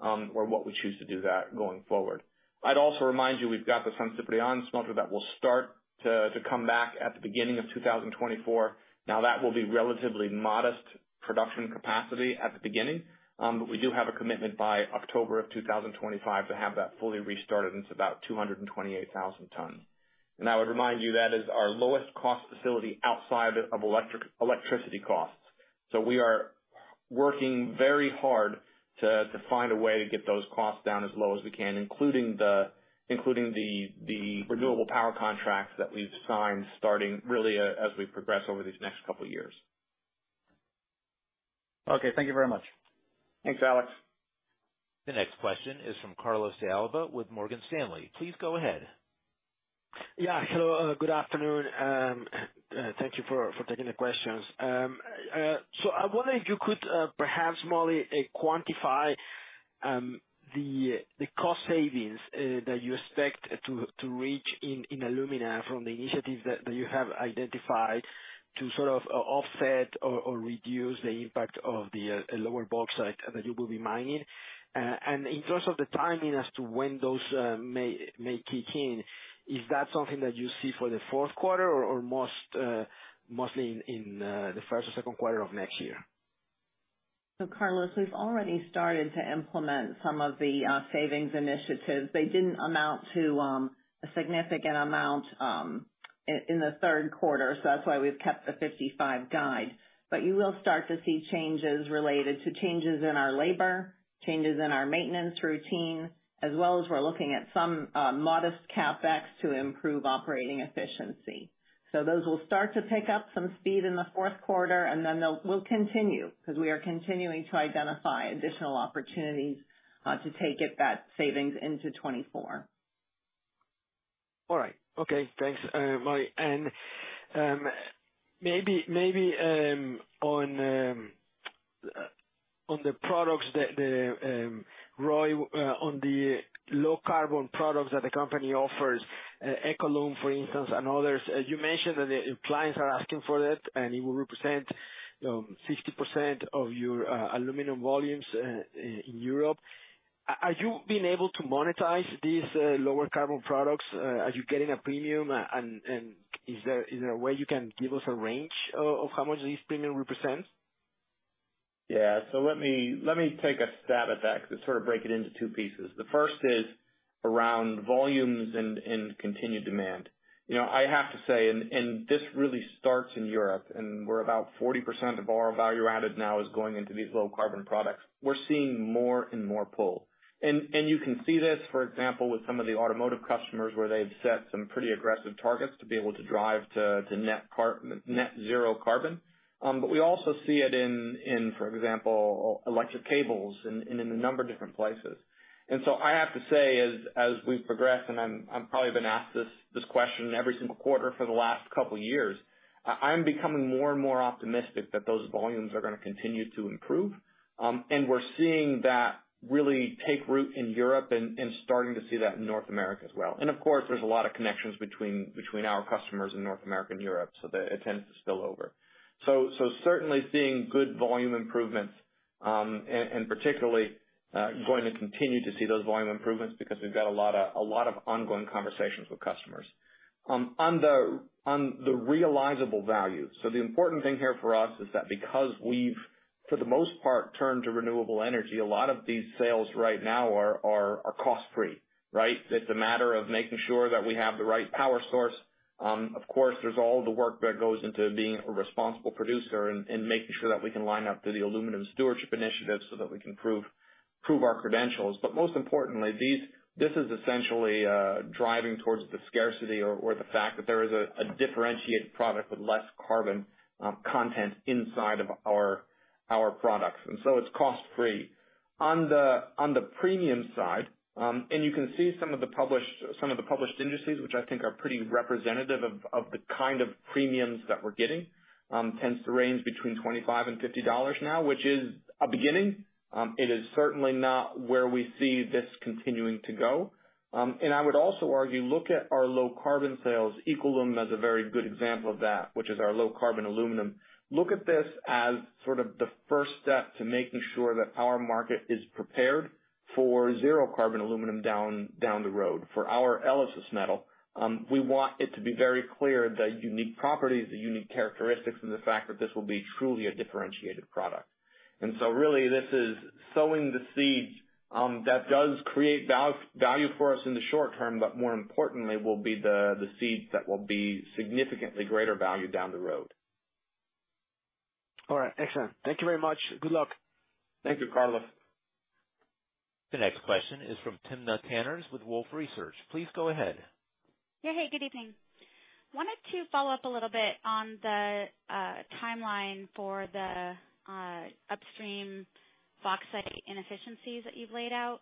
or what we choose to do that going forward. I'd also remind you, we've got the San Ciprián smelter that will start to come back at the beginning of 2024. Now, that will be relatively modest production capacity at the beginning, but we do have a commitment by October 2025 to have that fully restarted, and it's about 228,000 tons. I would remind you, that is our lowest cost facility outside of electricity costs. We are working very hard to find a way to get those costs down as low as we can, including the renewable power contracts that we've signed, starting really, as we progress over these next couple of years. Okay. Thank you very much. Thanks, Alex. The next question is from Carlos de Alba with Morgan Stanley. Please go ahead. Yeah, hello. Good afternoon, and thank you for taking the questions. I wonder if you could perhaps, Molly, quantify the cost savings that you expect to reach in alumina from the initiatives that you have identified to sort of offset or reduce the impact of the lower bauxite that you will be mining. In terms of the timing as to when those may kick in, is that something that you see for the fourth quarter or mostly in the first or second quarter of next year? Carlos, we've already started to implement some of the savings initiatives. They didn't amount to a significant amount in the 3rd quarter, that's why we've kept the 55 guide. You will start to see changes related to changes in our labor, changes in our maintenance routine, as well as we're looking at some modest CapEx to improve operating efficiency. Those will start to pick up some speed in the 4th quarter, We'll continue, because we are continuing to identify additional opportunities to get that savings into 2024. All right. Okay. Thanks, Molly. And maybe on Roy, on the low-carbon products that the company offers, EcoLum, for instance, and others, you mentioned that the clients are asking for it, and it will represent 60% of your aluminum volumes in Europe. Are you being able to monetize these lower carbon products? Are you getting a premium, and is there a way you can give us a range of how much this premium represents? Yeah. Let me take a stab at that, to sort of break it into two pieces. The first is around volumes and continued demand. You know, I have to say, this really starts in Europe, where about 40% of our value-added now is going into these low-carbon products. We're seeing more and more pull. You can see this, for example, with some of the automotive customers, where they've set some pretty aggressive targets to be able to drive to net zero carbon. We also see it in, for example, electric cables and in a number of different places. I have to say, as we progress, I'm probably been asked this question every single quarter for the last couple of years, I'm becoming more and more optimistic that those volumes are going to continue to improve. We're seeing that really take root in Europe and starting to see that in North America as well. Of course, there's a lot of connections between our customers in North America and Europe, so that it tends to spill over. Certainly seeing good volume improvements, and particularly, going to continue to see those volume improvements because we've got a lot of ongoing conversations with customers. On the realizable value, the important thing here for us is that because we've, for the most part, turned to renewable energy, a lot of these sales right now are cost-free, right? It's a matter of making sure that we have the right power source. Of course, there's all the work that goes into being a responsible producer and making sure that we can line up to the Aluminium Stewardship Initiative so that we can prove our credentials. Most importantly, this is essentially driving towards the scarcity or the fact that there is a differentiated product with less carbon content inside of our products. It's cost-free. On the premium side, you can see some of the published indices, which I think are pretty representative of the kind of premiums that we're getting, tends to range between $25 and $50 now, which is a beginning. It is certainly not where we see this continuing to go. I would also argue, look at our low carbon sales. EcoLum is a very good example of that, which is our low carbon aluminum. Look at this as sort of the first step to making sure that our market is prepared for zero carbon aluminum down the road. For our ELYSIS metal, we want it to be very clear the unique properties, the unique characteristics, and the fact that this will be truly a differentiated product. Really this is sowing the seeds, that does create value for us in the short term, but more importantly, will be the seeds that will be significantly greater value down the road. All right. Excellent. Thank you very much. Good luck. Thank you, Carlos. The next question is from Timna Tanners with Wolfe Research. Please go ahead. Yeah, hey, good evening. Wanted to follow up a little bit on the timeline for the upstream bauxite inefficiencies that you've laid out.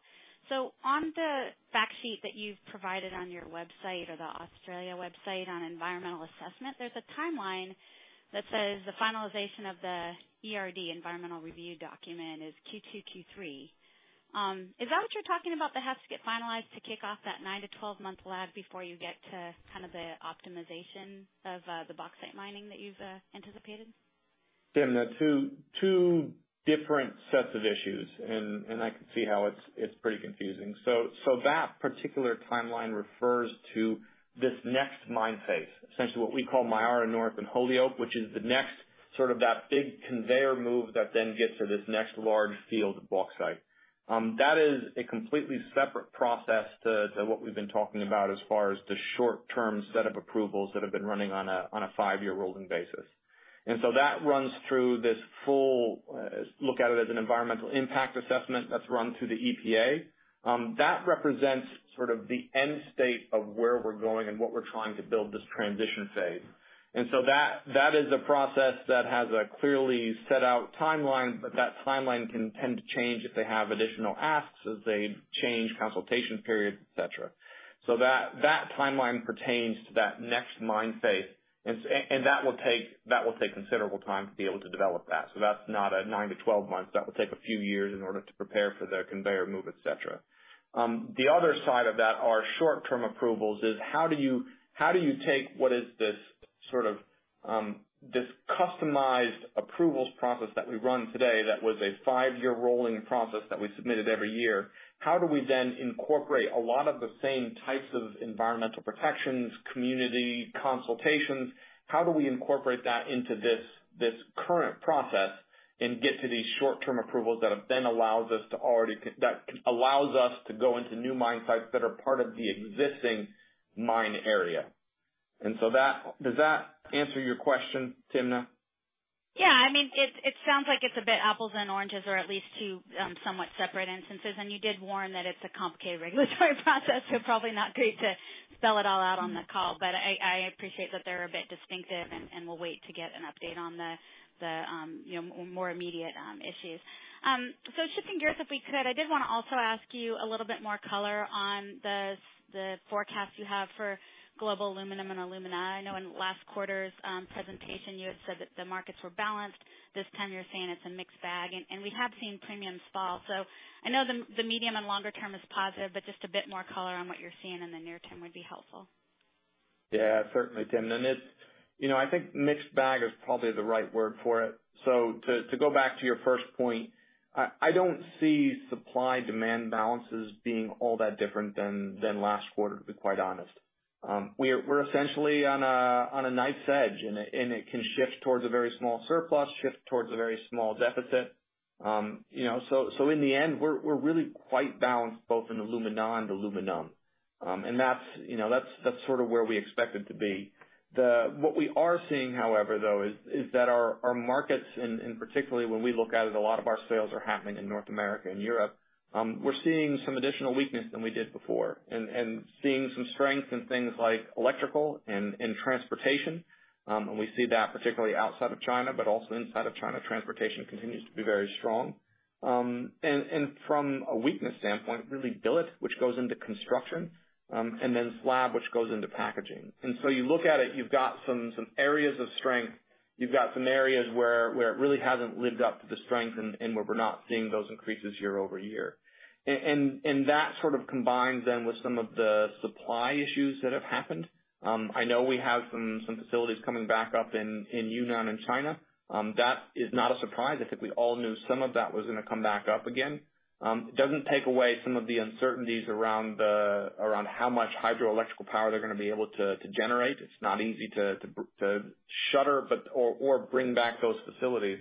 On the fact sheet that you've provided on your website or the Australia website on environmental assessment, there's a timeline that says the finalization of the ERD, Environmental Review Document, is Q2, Q3. Is that what you're talking about that has to get finalized to kick off that 9-12 month lag before you get to kind of the optimization of the bauxite mining that you've anticipated? Timna, two different sets of issues, and I can see how it's pretty confusing. That particular timeline refers to this next mine site, essentially what we call Myara North and Holyoake, which is the next sort of that big conveyor move that then gets to this next large field of bauxite. That is a completely separate process to what we've been talking about as far as the short-term set of approvals that have been running on a five-year rolling basis. That runs through this full look at it as an environmental impact assessment that's run through the EPA. That represents sort of the end state of where we're going and what we're trying to build this transition phase. That, that is a process that has a clearly set out timeline, but that timeline can tend to change if they have additional asks, as they change consultation periods, et cetera. That, that timeline pertains to that next mine phase, and that will take, that will take considerable time to be able to develop that. That's not a 9-12 months. That will take a few years in order to prepare for the conveyor move, et cetera. The other side of that are short-term approvals, is how do you, how do you take what is this sort of, this customized approvals process that we run today, that was a five-year rolling process that we submitted every year, how do we then incorporate a lot of the same types of environmental protections, community consultations? How do we incorporate that into this current process and get to these short-term approvals that allows us to go into new mine sites that are part of the existing mine area? Does that answer your question, Timna? Yeah, I mean, it sounds like it's a bit apples and oranges or at least two somewhat separate instances. You did warn that it's a complicated regulatory process, probably not great to spell it all out on the call. I appreciate that they're a bit distinctive and we'll wait to get an update on the, you know, more immediate issues. Shifting gears, if we could, I did want to also ask you a little bit more color on the forecast you have for global aluminum and alumina. I know in last quarter's presentation, you had said that the markets were balanced. This time you're saying it's a mixed bag, and we have seen premiums fall. I know the medium and longer term is positive, but just a bit more color on what you're seeing in the near term would be helpful. Yeah, certainly, Timna. You know, I think mixed bag is probably the right word for it. To go back to your first point, I don't see supply-demand balances being all that different than last quarter, to be quite honest. We're essentially on a knife's edge, and it can shift towards a very small surplus. Shift towards a very small deficit. You know, so in the end, we're really quite balanced both in alumina and aluminum. That's, you know, that's sort of where we expect it to be. What we are seeing, however, though, is that our markets, and particularly when we look at it, a lot of our sales are happening in North America and Europe. We're seeing some additional weakness than we did before, and seeing some strength in things like electrical and transportation. We see that particularly outside of China, but also inside of China, transportation continues to be very strong. From a weakness standpoint, really billet, which goes into construction, and then slab, which goes into packaging. You look at it, you've got some areas of strength, you've got some areas where it really hasn't lived up to the strength and where we're not seeing those increases year-over-year. That sort of combines then with some of the supply issues that have happened. I know we have some facilities coming back up in Yunnan and China. That is not a surprise. I think we all knew some of that was gonna come back up again. It doesn't take away some of the uncertainties around how much hydroelectrical power they're gonna be able to generate. It's not easy to shutter or bring back those facilities.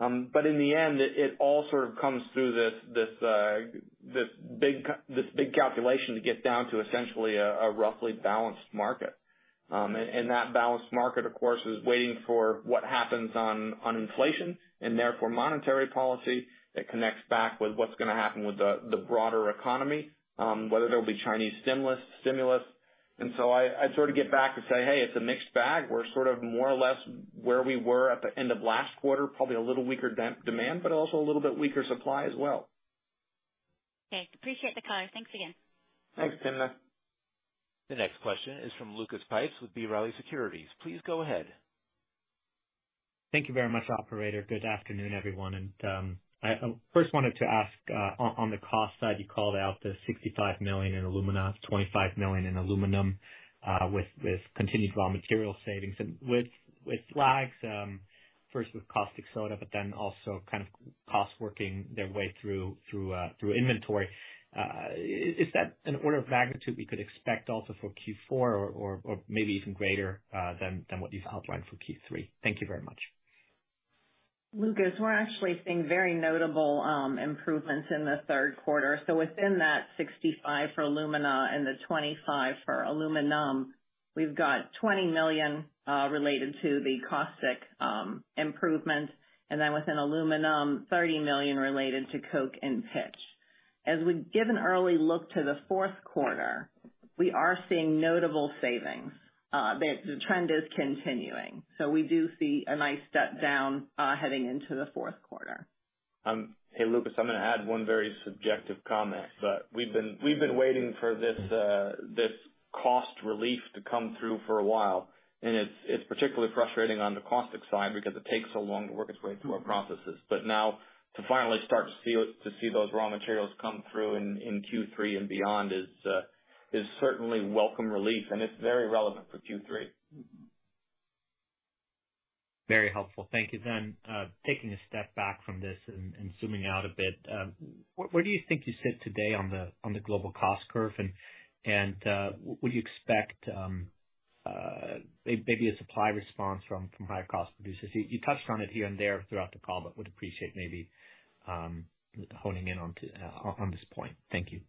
In the end, it all sort of comes through this big calculation to get down to essentially a roughly balanced market. That balanced market, of course, is waiting for what happens on inflation, and therefore monetary policy that connects back with what's going to happen with the broader economy, whether there'll be Chinese stimulus. I'd sort of get back to say, hey, it's a mixed bag. We're sort of more or less where we were at the end of last quarter, probably a little weaker demand, but also a little bit weaker supply as well. Okay, appreciate the color. Thanks again. Thanks, Timna. The next question is from Lucas Pipes with B. Riley Securities. Please go ahead. Thank you very much, operator. Good afternoon, everyone. I first wanted to ask on the cost side, you called out the $65 million in alumina, $25 million in aluminum, with continued raw material savings and with flags, first with caustic soda, but then also kind of costs working their way through inventory. Is that an order of magnitude we could expect also for Q4 or maybe even greater than what you've outlined for Q3? Thank you very much. Lucas, we're actually seeing very notable improvements in the third quarter. Within that 65 for alumina and the 25 for aluminum, we've got $20 million related to the caustic improvements, and then within aluminum, $30 million related to coke and pitch. As we give an early look to the fourth quarter, we are seeing notable savings. The trend is continuing, so we do see a nice step down heading into the fourth quarter. Hey, Lucas, I'm going to add one very subjective comment, but we've been waiting for this cost relief to come through for a while, and it's particularly frustrating on the caustic side because it takes so long to work its way through our processes. Now to finally start to see it, to see those raw materials come through in Q3 and beyond is certainly welcome relief, and it's very relevant for Q3. Very helpful. Thank you. Taking a step back from this and zooming out a bit, where do you think you sit today on the global cost curve? Would you expect maybe a supply response from higher cost producers? You touched on it here and there throughout the call, but would appreciate maybe honing in on this point. Thank you.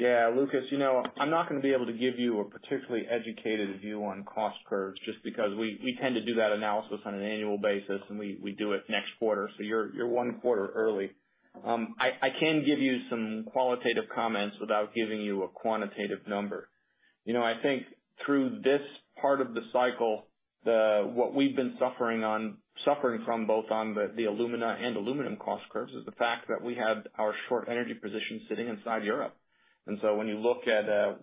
Yeah, Lucas, you know, I'm not going to be able to give you a particularly educated view on cost curves just because we tend to do that analysis on an annual basis, and we do it next quarter, so you're one quarter early. I can give you some qualitative comments without giving you a quantitative number. You know, I think through this part of the cycle, what we've been suffering from, both on the alumina and aluminum cost curves, is the fact that we had our short energy position sitting inside Europe. When you look at,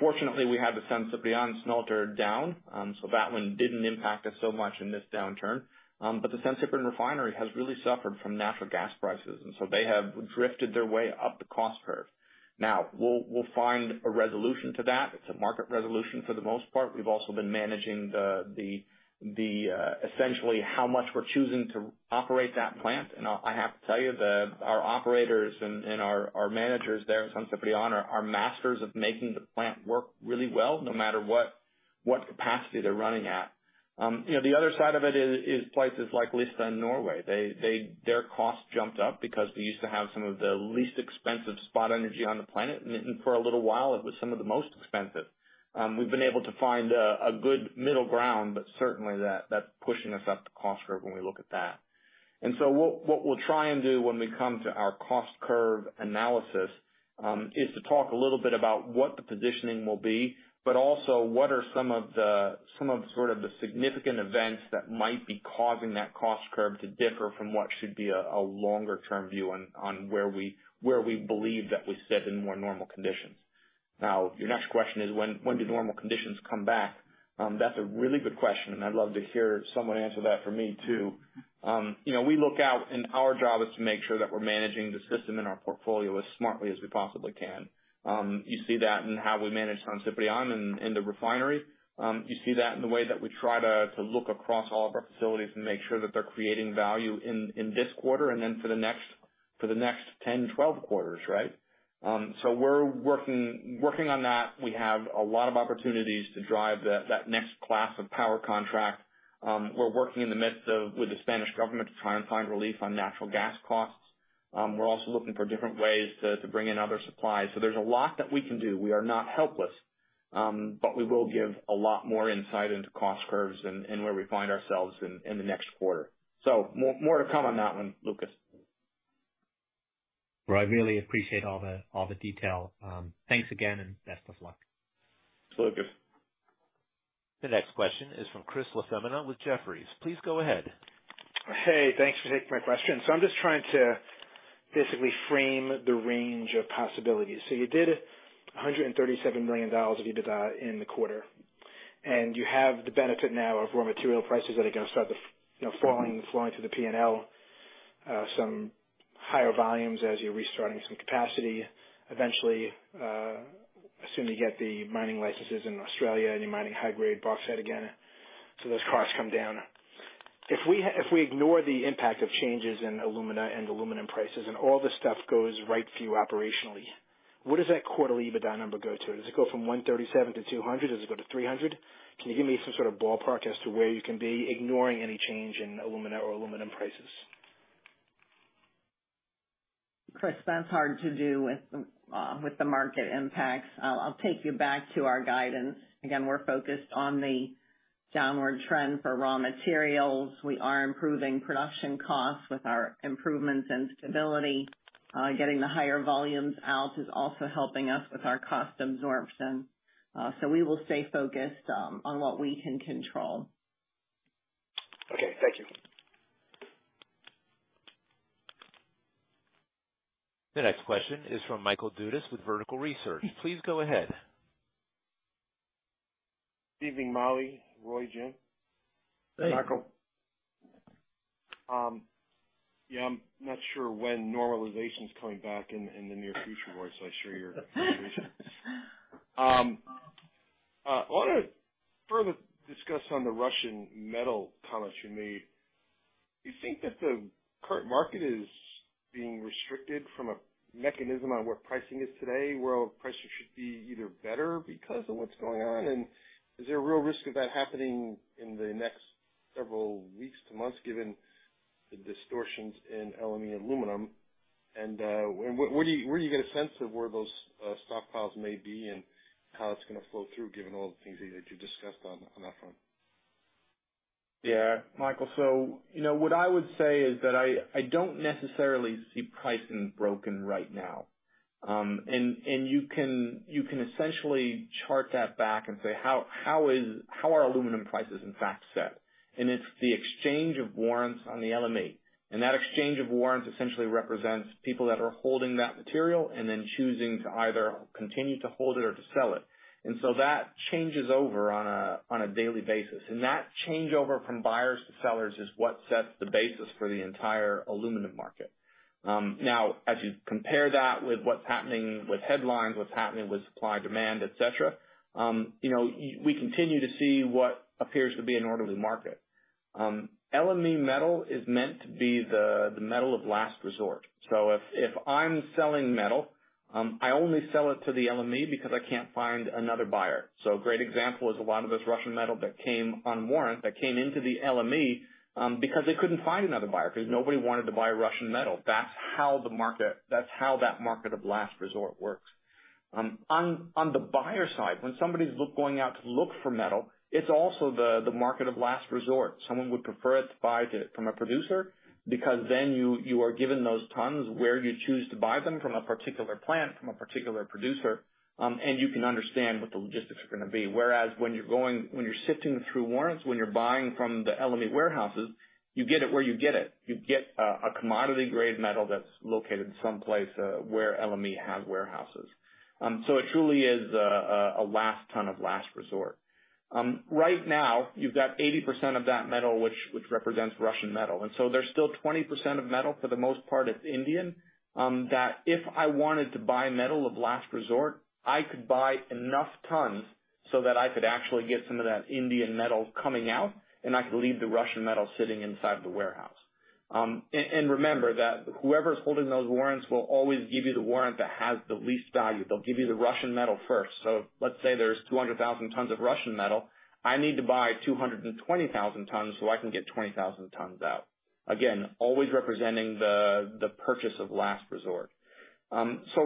fortunately, we had the San Ciprián smelter down, so that one didn't impact us so much in this downturn. The San Ciprián refinery has really suffered from natural gas prices. They have drifted their way up the cost curve. We'll find a resolution to that. It's a market resolution for the most part. We've also been managing the essentially how much we're choosing to operate that plant. I have to tell you, our operators and our managers there at San Ciprián are masters of making the plant work really well, no matter what capacity they're running at. You know, the other side of it is places like Lista and Norway. They, their costs jumped up because they used to have some of the least expensive spot energy on the planet, and for a little while, it was some of the most expensive. We've been able to find a good middle ground, but certainly that's pushing us up the cost curve when we look at that. What we'll try and do when we come to our cost curve analysis is to talk a little bit about what the positioning will be, but also what are some of the significant events that might be causing that cost curve to differ from what should be a longer term view on where we believe that we sit in more normal conditions. Your next question is when do normal conditions come back? That's a really good question, and I'd love to hear someone answer that for me, too. You know, we look out and our job is to make sure that we're managing the system and our portfolio as smartly as we possibly can. You see that in how we manage San Ciprián and the refinery. You see that in the way that we try to look across all of our facilities and make sure that they're creating value in this quarter and then for the next 10, 12 quarters, right? We're working on that. We have a lot of opportunities to drive that next class of power contract. We're working in the midst of with the Spanish government to try and find relief on natural gas costs. We're also looking for different ways to bring in other supplies. There's a lot that we can do. We are not helpless, but we will give a lot more insight into cost curves and where we find ourselves in the next quarter. More to come on that one, Lucas. Well, I really appreciate all the, all the detail. Thanks again and best of luck. Thanks, Lucas. The next question is from Christopher LaFemina with Jefferies. Please go ahead. Hey, thanks for taking my question. I'm just trying to basically frame the range of possibilities. You did $137 million of EBITDA in the quarter, and you have the benefit now of raw material prices that are going to start, you know, falling, flowing through the PNL, some higher volumes as you're restarting some capacity. Eventually, as soon as you get the mining licenses in Australia, and you're mining high-grade bauxite again, those costs come down. If we ignore the impact of changes in alumina and aluminum prices and all this stuff goes right for you operationally, what does that quarterly EBITDA number go to? Does it go from 137-200? Does it go to 300? Can you give me some sort of ballpark as to where you can be, ignoring any change in alumina or aluminum prices? Chris, that's hard to do with the market impacts. I'll take you back to our guidance. Again, we're focused on the downward trend for raw materials. We are improving production costs with our improvements in stability. Getting the higher volumes out is also helping us with our cost absorption. We will stay focused on what we can control. Okay, thank you. The next question is from Michael Dudas with Vertical Research. Please go ahead. Evening, Molly, Roy, Jim. Hey. Michael. Yeah, I'm not sure when normalization is coming back in the near future, Roy, so I share your frustration. I want to further discuss on the Russian metal comments you made, do you think that the current market is being restricted from a mechanism on where pricing is today, where prices should be either better because of what's going on? Is there a real risk of that happening in the next several weeks to months, given the distortions in LME aluminum? What, where do you get a sense of where those stockpiles may be and how it's gonna flow through, given all the things that you discussed on that front? Yeah, Michael, you know, what I would say is that I don't necessarily see pricing broken right now. You can essentially chart that back and say, how are aluminum prices in fact set? It's the exchange of warrants on the LME, and that exchange of warrants essentially represents people that are holding that material and then choosing to either continue to hold it or to sell it. That changes over on a daily basis. That changeover from buyers to sellers is what sets the basis for the entire aluminum market. Now, as you compare that with what's happening with headlines, what's happening with supply, demand, et cetera, you know, we continue to see what appears to be an orderly market. LME metal is meant to be the metal of last resort. If, if I'm selling metal, I only sell it to the LME because I can't find another buyer. A great example is a lot of this Russian metal that came on warrant, that came into the LME, because they couldn't find another buyer, because nobody wanted to buy Russian metal. That's how the market, that's how that market of last resort works. On, on the buyer side, when somebody's going out to look for metal, it's also the market of last resort. Someone would prefer to buy it from a producer, because then you are given those tons where you choose to buy them from a particular plant, from a particular producer, and you can understand what the logistics are gonna be. Whereas when you're sifting through warrants, when you're buying from the LME warehouses, you get it where you get it. You get a commodity grade metal that's located someplace where LME has warehouses. It truly is a last ton of last resort. Right now, you've got 80% of that metal, which represents Russian metal, there's still 20% of metal, for the most part it's Indian, that if I wanted to buy metal of last resort, I could buy enough tons so that I could actually get some of that Indian metal coming out, and I could leave the Russian metal sitting inside the warehouse. Remember that whoever's holding those warrants will always give you the warrant that has the least value. They'll give you the Russian metal first. Let's say there's 200,000 tons of Russian metal. I need to buy 220,000 tons, so I can get 20,000 tons out. Again, always representing the purchase of last resort.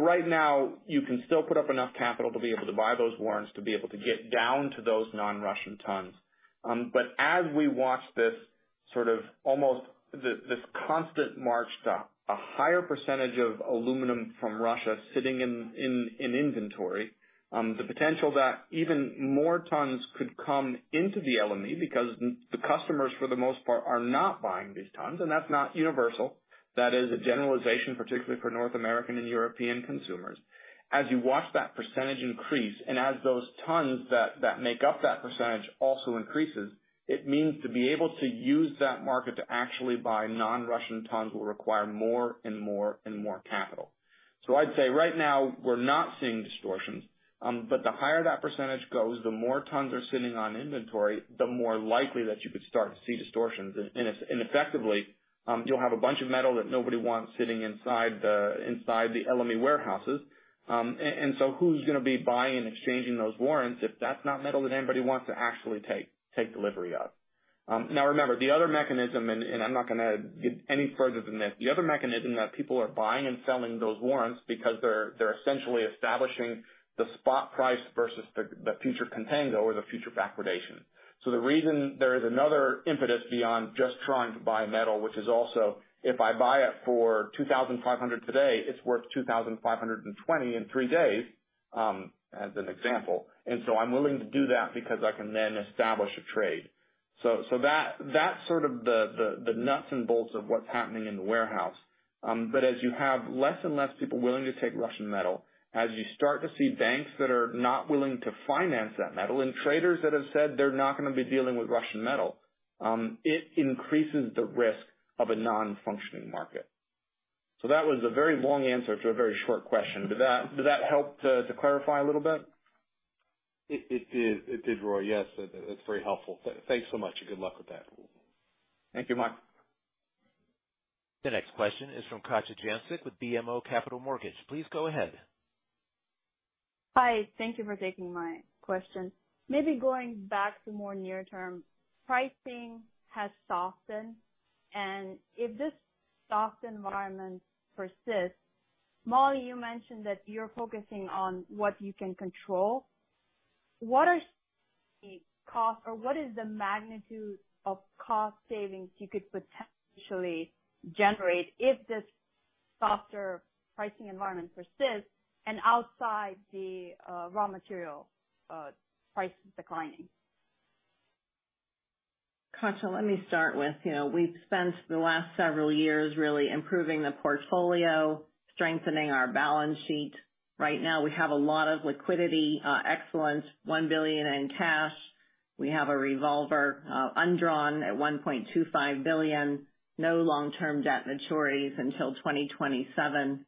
Right now, you can still put up enough capital to be able to buy those warrants, to be able to get down to those non-Russian tons. But as we watch this sort of almost, this constant march to a higher percentage of aluminum from Russia sitting in inventory, the potential that even more tons could come into the LME because the customers, for the most part, are not buying these tons, and that's not universal. That is a generalization, particularly for North American and European consumers. As you watch that percentage increase, and as those tons that make up that percentage also increases, it means to be able to use that market to actually buy non-Russian tons will require more and more and more capital. I'd say right now, we're not seeing distortions, but the higher that percentage goes, the more tons are sitting on inventory, the more likely that you could start to see distortions. Effectively, you'll have a bunch of metal that nobody wants sitting inside the LME warehouses. Who's gonna be buying and exchanging those warrants if that's not metal that anybody wants to actually take delivery of? Now, remember, the other mechanism, and I'm not gonna get any further than this, the other mechanism that people are buying and selling those warrants because they're essentially establishing the spot price versus the future contango or the future backwardation. The reason there is another impetus beyond just trying to buy metal, which is also, if I buy it for $2,500 today, it's worth $2,520 in three days, as an example. I'm willing to do that because I can then establish a trade. That's sort of the nuts and bolts of what's happening in the warehouse. As you have less and less people willing to take Russian metal, as you start to see banks that are not willing to finance that metal, and traders that have said they're not gonna be dealing with Russian metal, it increases the risk of a non-functioning market. That was a very long answer to a very short question. Did that help to clarify a little bit? It did. It did, Roy. Yes, it's very helpful. Thanks so much, and good luck with that. Thank you, Mike. The next question is from Katja Jancic with BMO Capital Markets. Please go ahead. Hi, thank you for taking my question. Maybe going back to more near term, pricing has softened, and if this soft environment persists, Molly, you mentioned that you're focusing on what you can control. What are the costs or what is the magnitude of cost savings you could potentially generate if this softer pricing environment persists and outside the raw material price declining? Katja, let me start with, you know, we've spent the last several years really improving the portfolio, strengthening our balance sheet. Right now, we have a lot of liquidity, excellence, $1 billion in cash. We have a revolver, undrawn at $1.25 billion, no long-term debt maturities until 2027.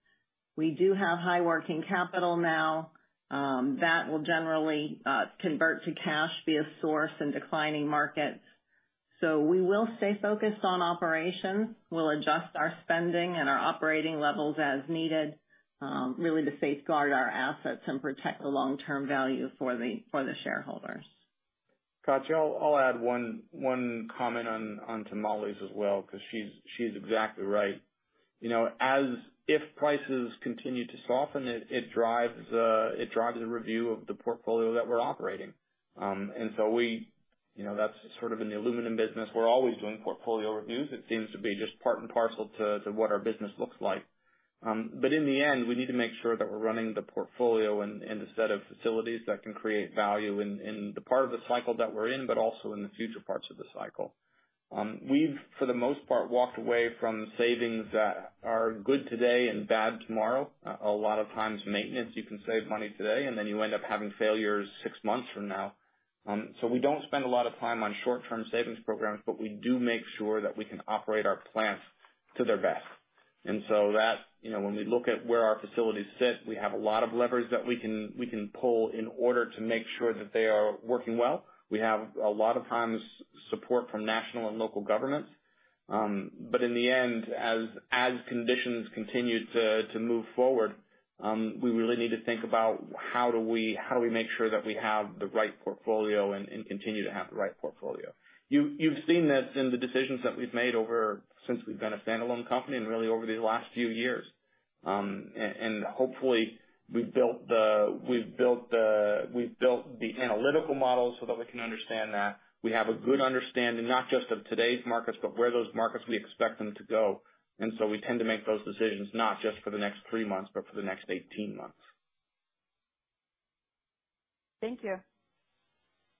We do have high working capital now. That will generally, convert to cash, be a source in declining markets. We will stay focused on operations. We'll adjust our spending and our operating levels as needed, really, to safeguard our assets and protect the long-term value for the shareholders. Katja, I'll add one comment on to Molly's as well, because she's exactly right. You know, if prices continue to soften, it drives a review of the portfolio that we're operating. You know, that's sort of in the aluminum business, we're always doing portfolio reviews. It seems to be just part and parcel to what our business looks like. In the end, we need to make sure that we're running the portfolio and the set of facilities that can create value in the part of the cycle that we're in, but also in the future parts of the cycle. We've, for the most part, walked away from savings that are good today and bad tomorrow. A lot of times, maintenance, you can save money today, and then you end up having failures six months from now. We don't spend a lot of time on short-term savings programs, but we do make sure that we can operate our plants to their best. That, you know, when we look at where our facilities sit, we have a lot of levers that we can pull in order to make sure that they are working well. We have, a lot of times, support from national and local governments. In the end, as conditions continue to move forward, we really need to think about how do we make sure that we have the right portfolio and continue to have the right portfolio. You've seen this in the decisions that we've made over since we've been a standalone company and really over these last few years. Hopefully we've built the analytical models so that we can understand that. We have a good understanding, not just of today's markets, but where those markets, we expect them to go. We tend to make those decisions not just for the next three months, but for the next 18 months. Thank you.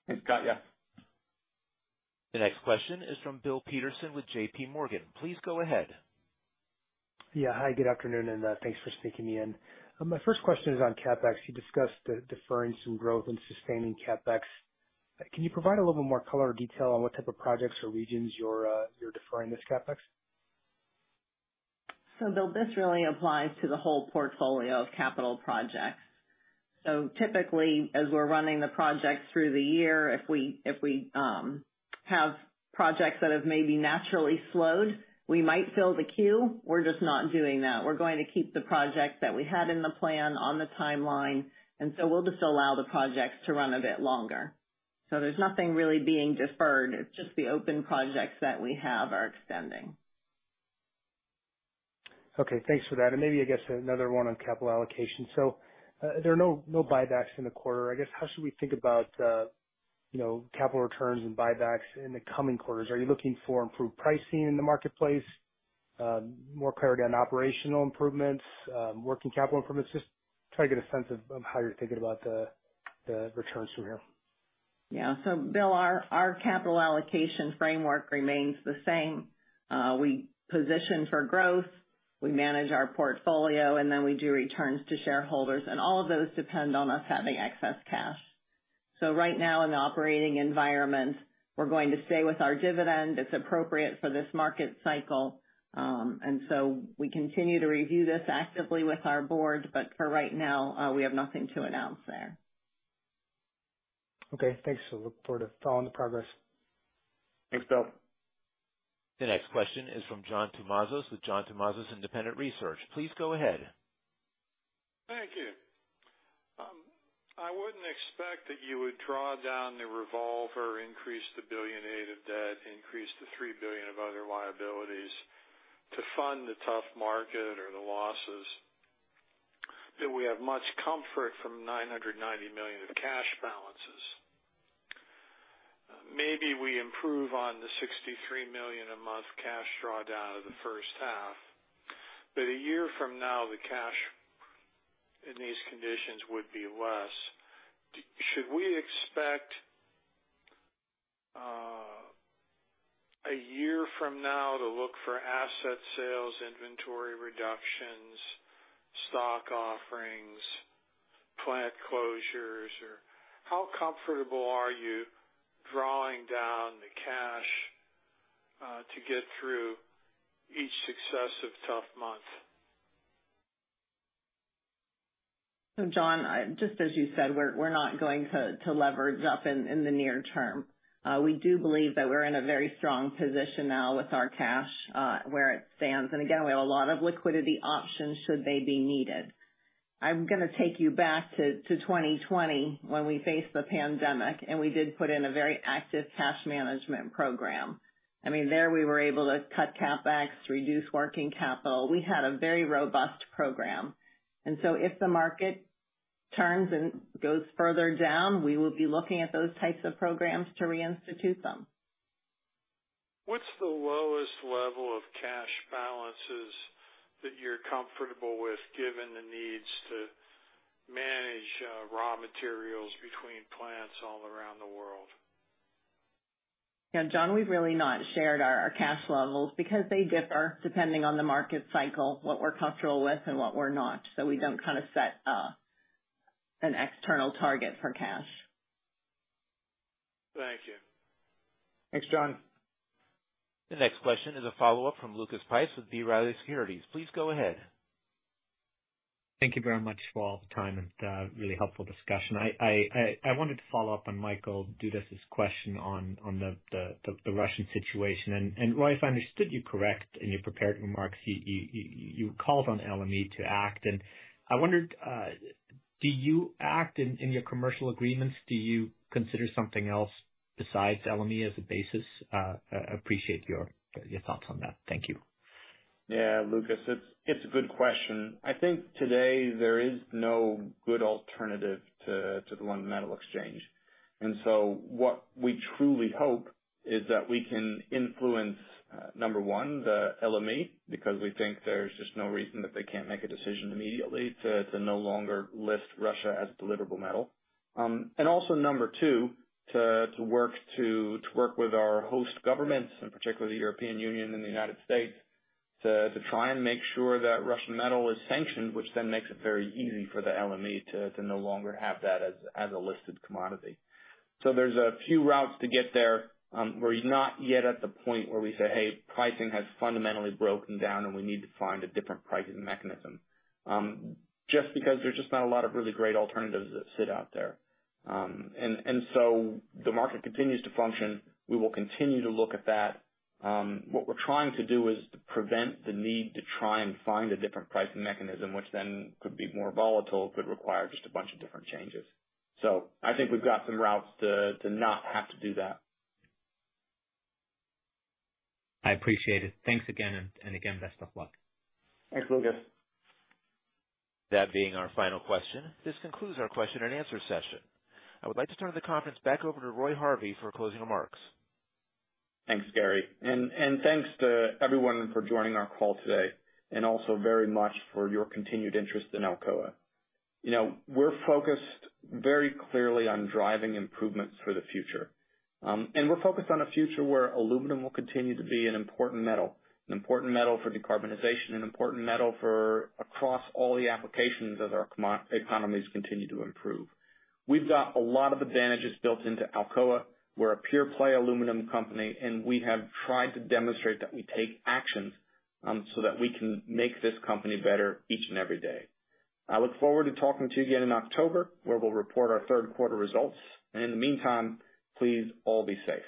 Thanks, Katja. The next question is from Bill Peterson with JPMorgan. Please go ahead. Yeah. Hi, good afternoon. Thanks for sneaking me in. My first question is on CapEx. You discussed deferring some growth and sustaining CapEx. Can you provide a little more color or detail on what type of projects or regions you're deferring this CapEx? Bill, this really applies to the whole portfolio of capital projects. Typically, as we're running the project through the year, if we have projects that have maybe naturally slowed, we might fill the queue. We're just not doing that. We're going to keep the project that we had in the plan on the timeline, we'll just allow the projects to run a bit longer. There's nothing really being deferred. It's just the open projects that we have are extending. Okay, thanks for that. Maybe, I guess, another one on capital allocation. There are no buybacks in the quarter. I guess, how should we think about, you know, capital returns and buybacks in the coming quarters? Are you looking for improved pricing in the marketplace, more clarity on operational improvements, working capital improvements? Just try to get a sense of how you're thinking about the returns from here. Bill, our capital allocation framework remains the same. We position for growth, we manage our portfolio, and then we do returns to shareholders, and all of those depend on us having excess cash. Right now, in the operating environment, we're going to stay with our dividend. It's appropriate for this market cycle. We continue to review this actively with our board, but for right now, we have nothing to announce there. Okay, thanks. Look forward to following the progress. Thanks, Bill. The next question is from John Tumazos with John Tumazos Very Independent Research. Please go ahead. Thank you. I wouldn't expect that you would draw down the revolver, increase the $1.8 billion of debt, increase the $3 billion of other liabilities to fund the tough market or the losses, that we have much comfort from $990 million of cash balances. Maybe we improve on the $63 million a month cash drawdown of the first half, but a year from now, the cash in these conditions would be less. Should we expect a year from now to look for asset sales, inventory reductions, stock offerings, plant closures, or how comfortable are you drawing down the cash to get through each successive tough month? John, just as you said, we're not going to leverage up in the near term. We do believe that we're in a very strong position now with our cash where it stands. Again, we have a lot of liquidity options should they be needed. I'm gonna take you back to 2020, when we faced the pandemic, we did put in a very active cash management program. I mean, there, we were able to cut CapEx, reduce working capital. We had a very robust program. If the market turns and goes further down, we will be looking at those types of programs to reinstitute them. What's the lowest level of cash balances that you're comfortable with, given the needs to manage raw materials between plants all around the world? Yeah, John, we've really not shared our cash levels because they differ depending on the market cycle, what we're comfortable with and what we're not. We don't kind of set an external target for cash. Thank you. Thanks, John. The next question is a follow-up from Lucas Pipes with B. Riley Securities. Please go ahead. Thank you very much for all the time and really helpful discussion. I wanted to follow up on Michael Dudas' question on the Russian situation. Roy, if I understood you correct in your prepared remarks, you called on LME to act, and I wondered, do you act in your commercial agreements? Do you consider something else besides LME as a basis? Appreciate your thoughts on that. Thank you. Yeah, Lucas, it's a good question. I think today there is no good alternative to the London Metal Exchange. What we truly hope is that we can influence 1, the LME, because we think there's just no reason that they can't make a decision immediately to no longer list Russia as a deliverable metal. 2, to work with our host governments, and particularly the European Union and the United States, to try and make sure that Russian metal is sanctioned, which then makes it very easy for the LME to no longer have that as a listed commodity. There's a few routes to get there. We're not yet at the point where we say, "Hey, pricing has fundamentally broken down, and we need to find a different pricing mechanism." Just because there's just not a lot of really great alternatives that sit out there. The market continues to function. We will continue to look at that. What we're trying to do is to prevent the need to try and find a different pricing mechanism, which then could be more volatile, could require just a bunch of different changes. I think we've got some routes to not have to do that. I appreciate it. Thanks again, and again, best of luck. Thanks, Lucas. That being our final question, this concludes our question and answer session. I would like to turn the conference back over to Roy Harvey for closing remarks. Thanks, Gary, and thanks to everyone for joining our call today, and also very much for your continued interest in Alcoa. You know, we're focused very clearly on driving improvements for the future, and we're focused on a future where aluminum will continue to be an important metal, an important metal for decarbonization, an important metal for across all the applications as our economies continue to improve. We've got a lot of advantages built into Alcoa. We're a pure-play aluminum company, and we have tried to demonstrate that we take actions, so that we can make this company better each and every day. I look forward to talking to you again in October, where we'll report our third quarter results, and in the meantime, please all be safe.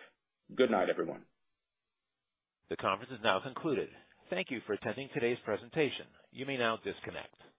Good night, everyone. The conference is now concluded. Thank you for attending today's presentation. You may now disconnect.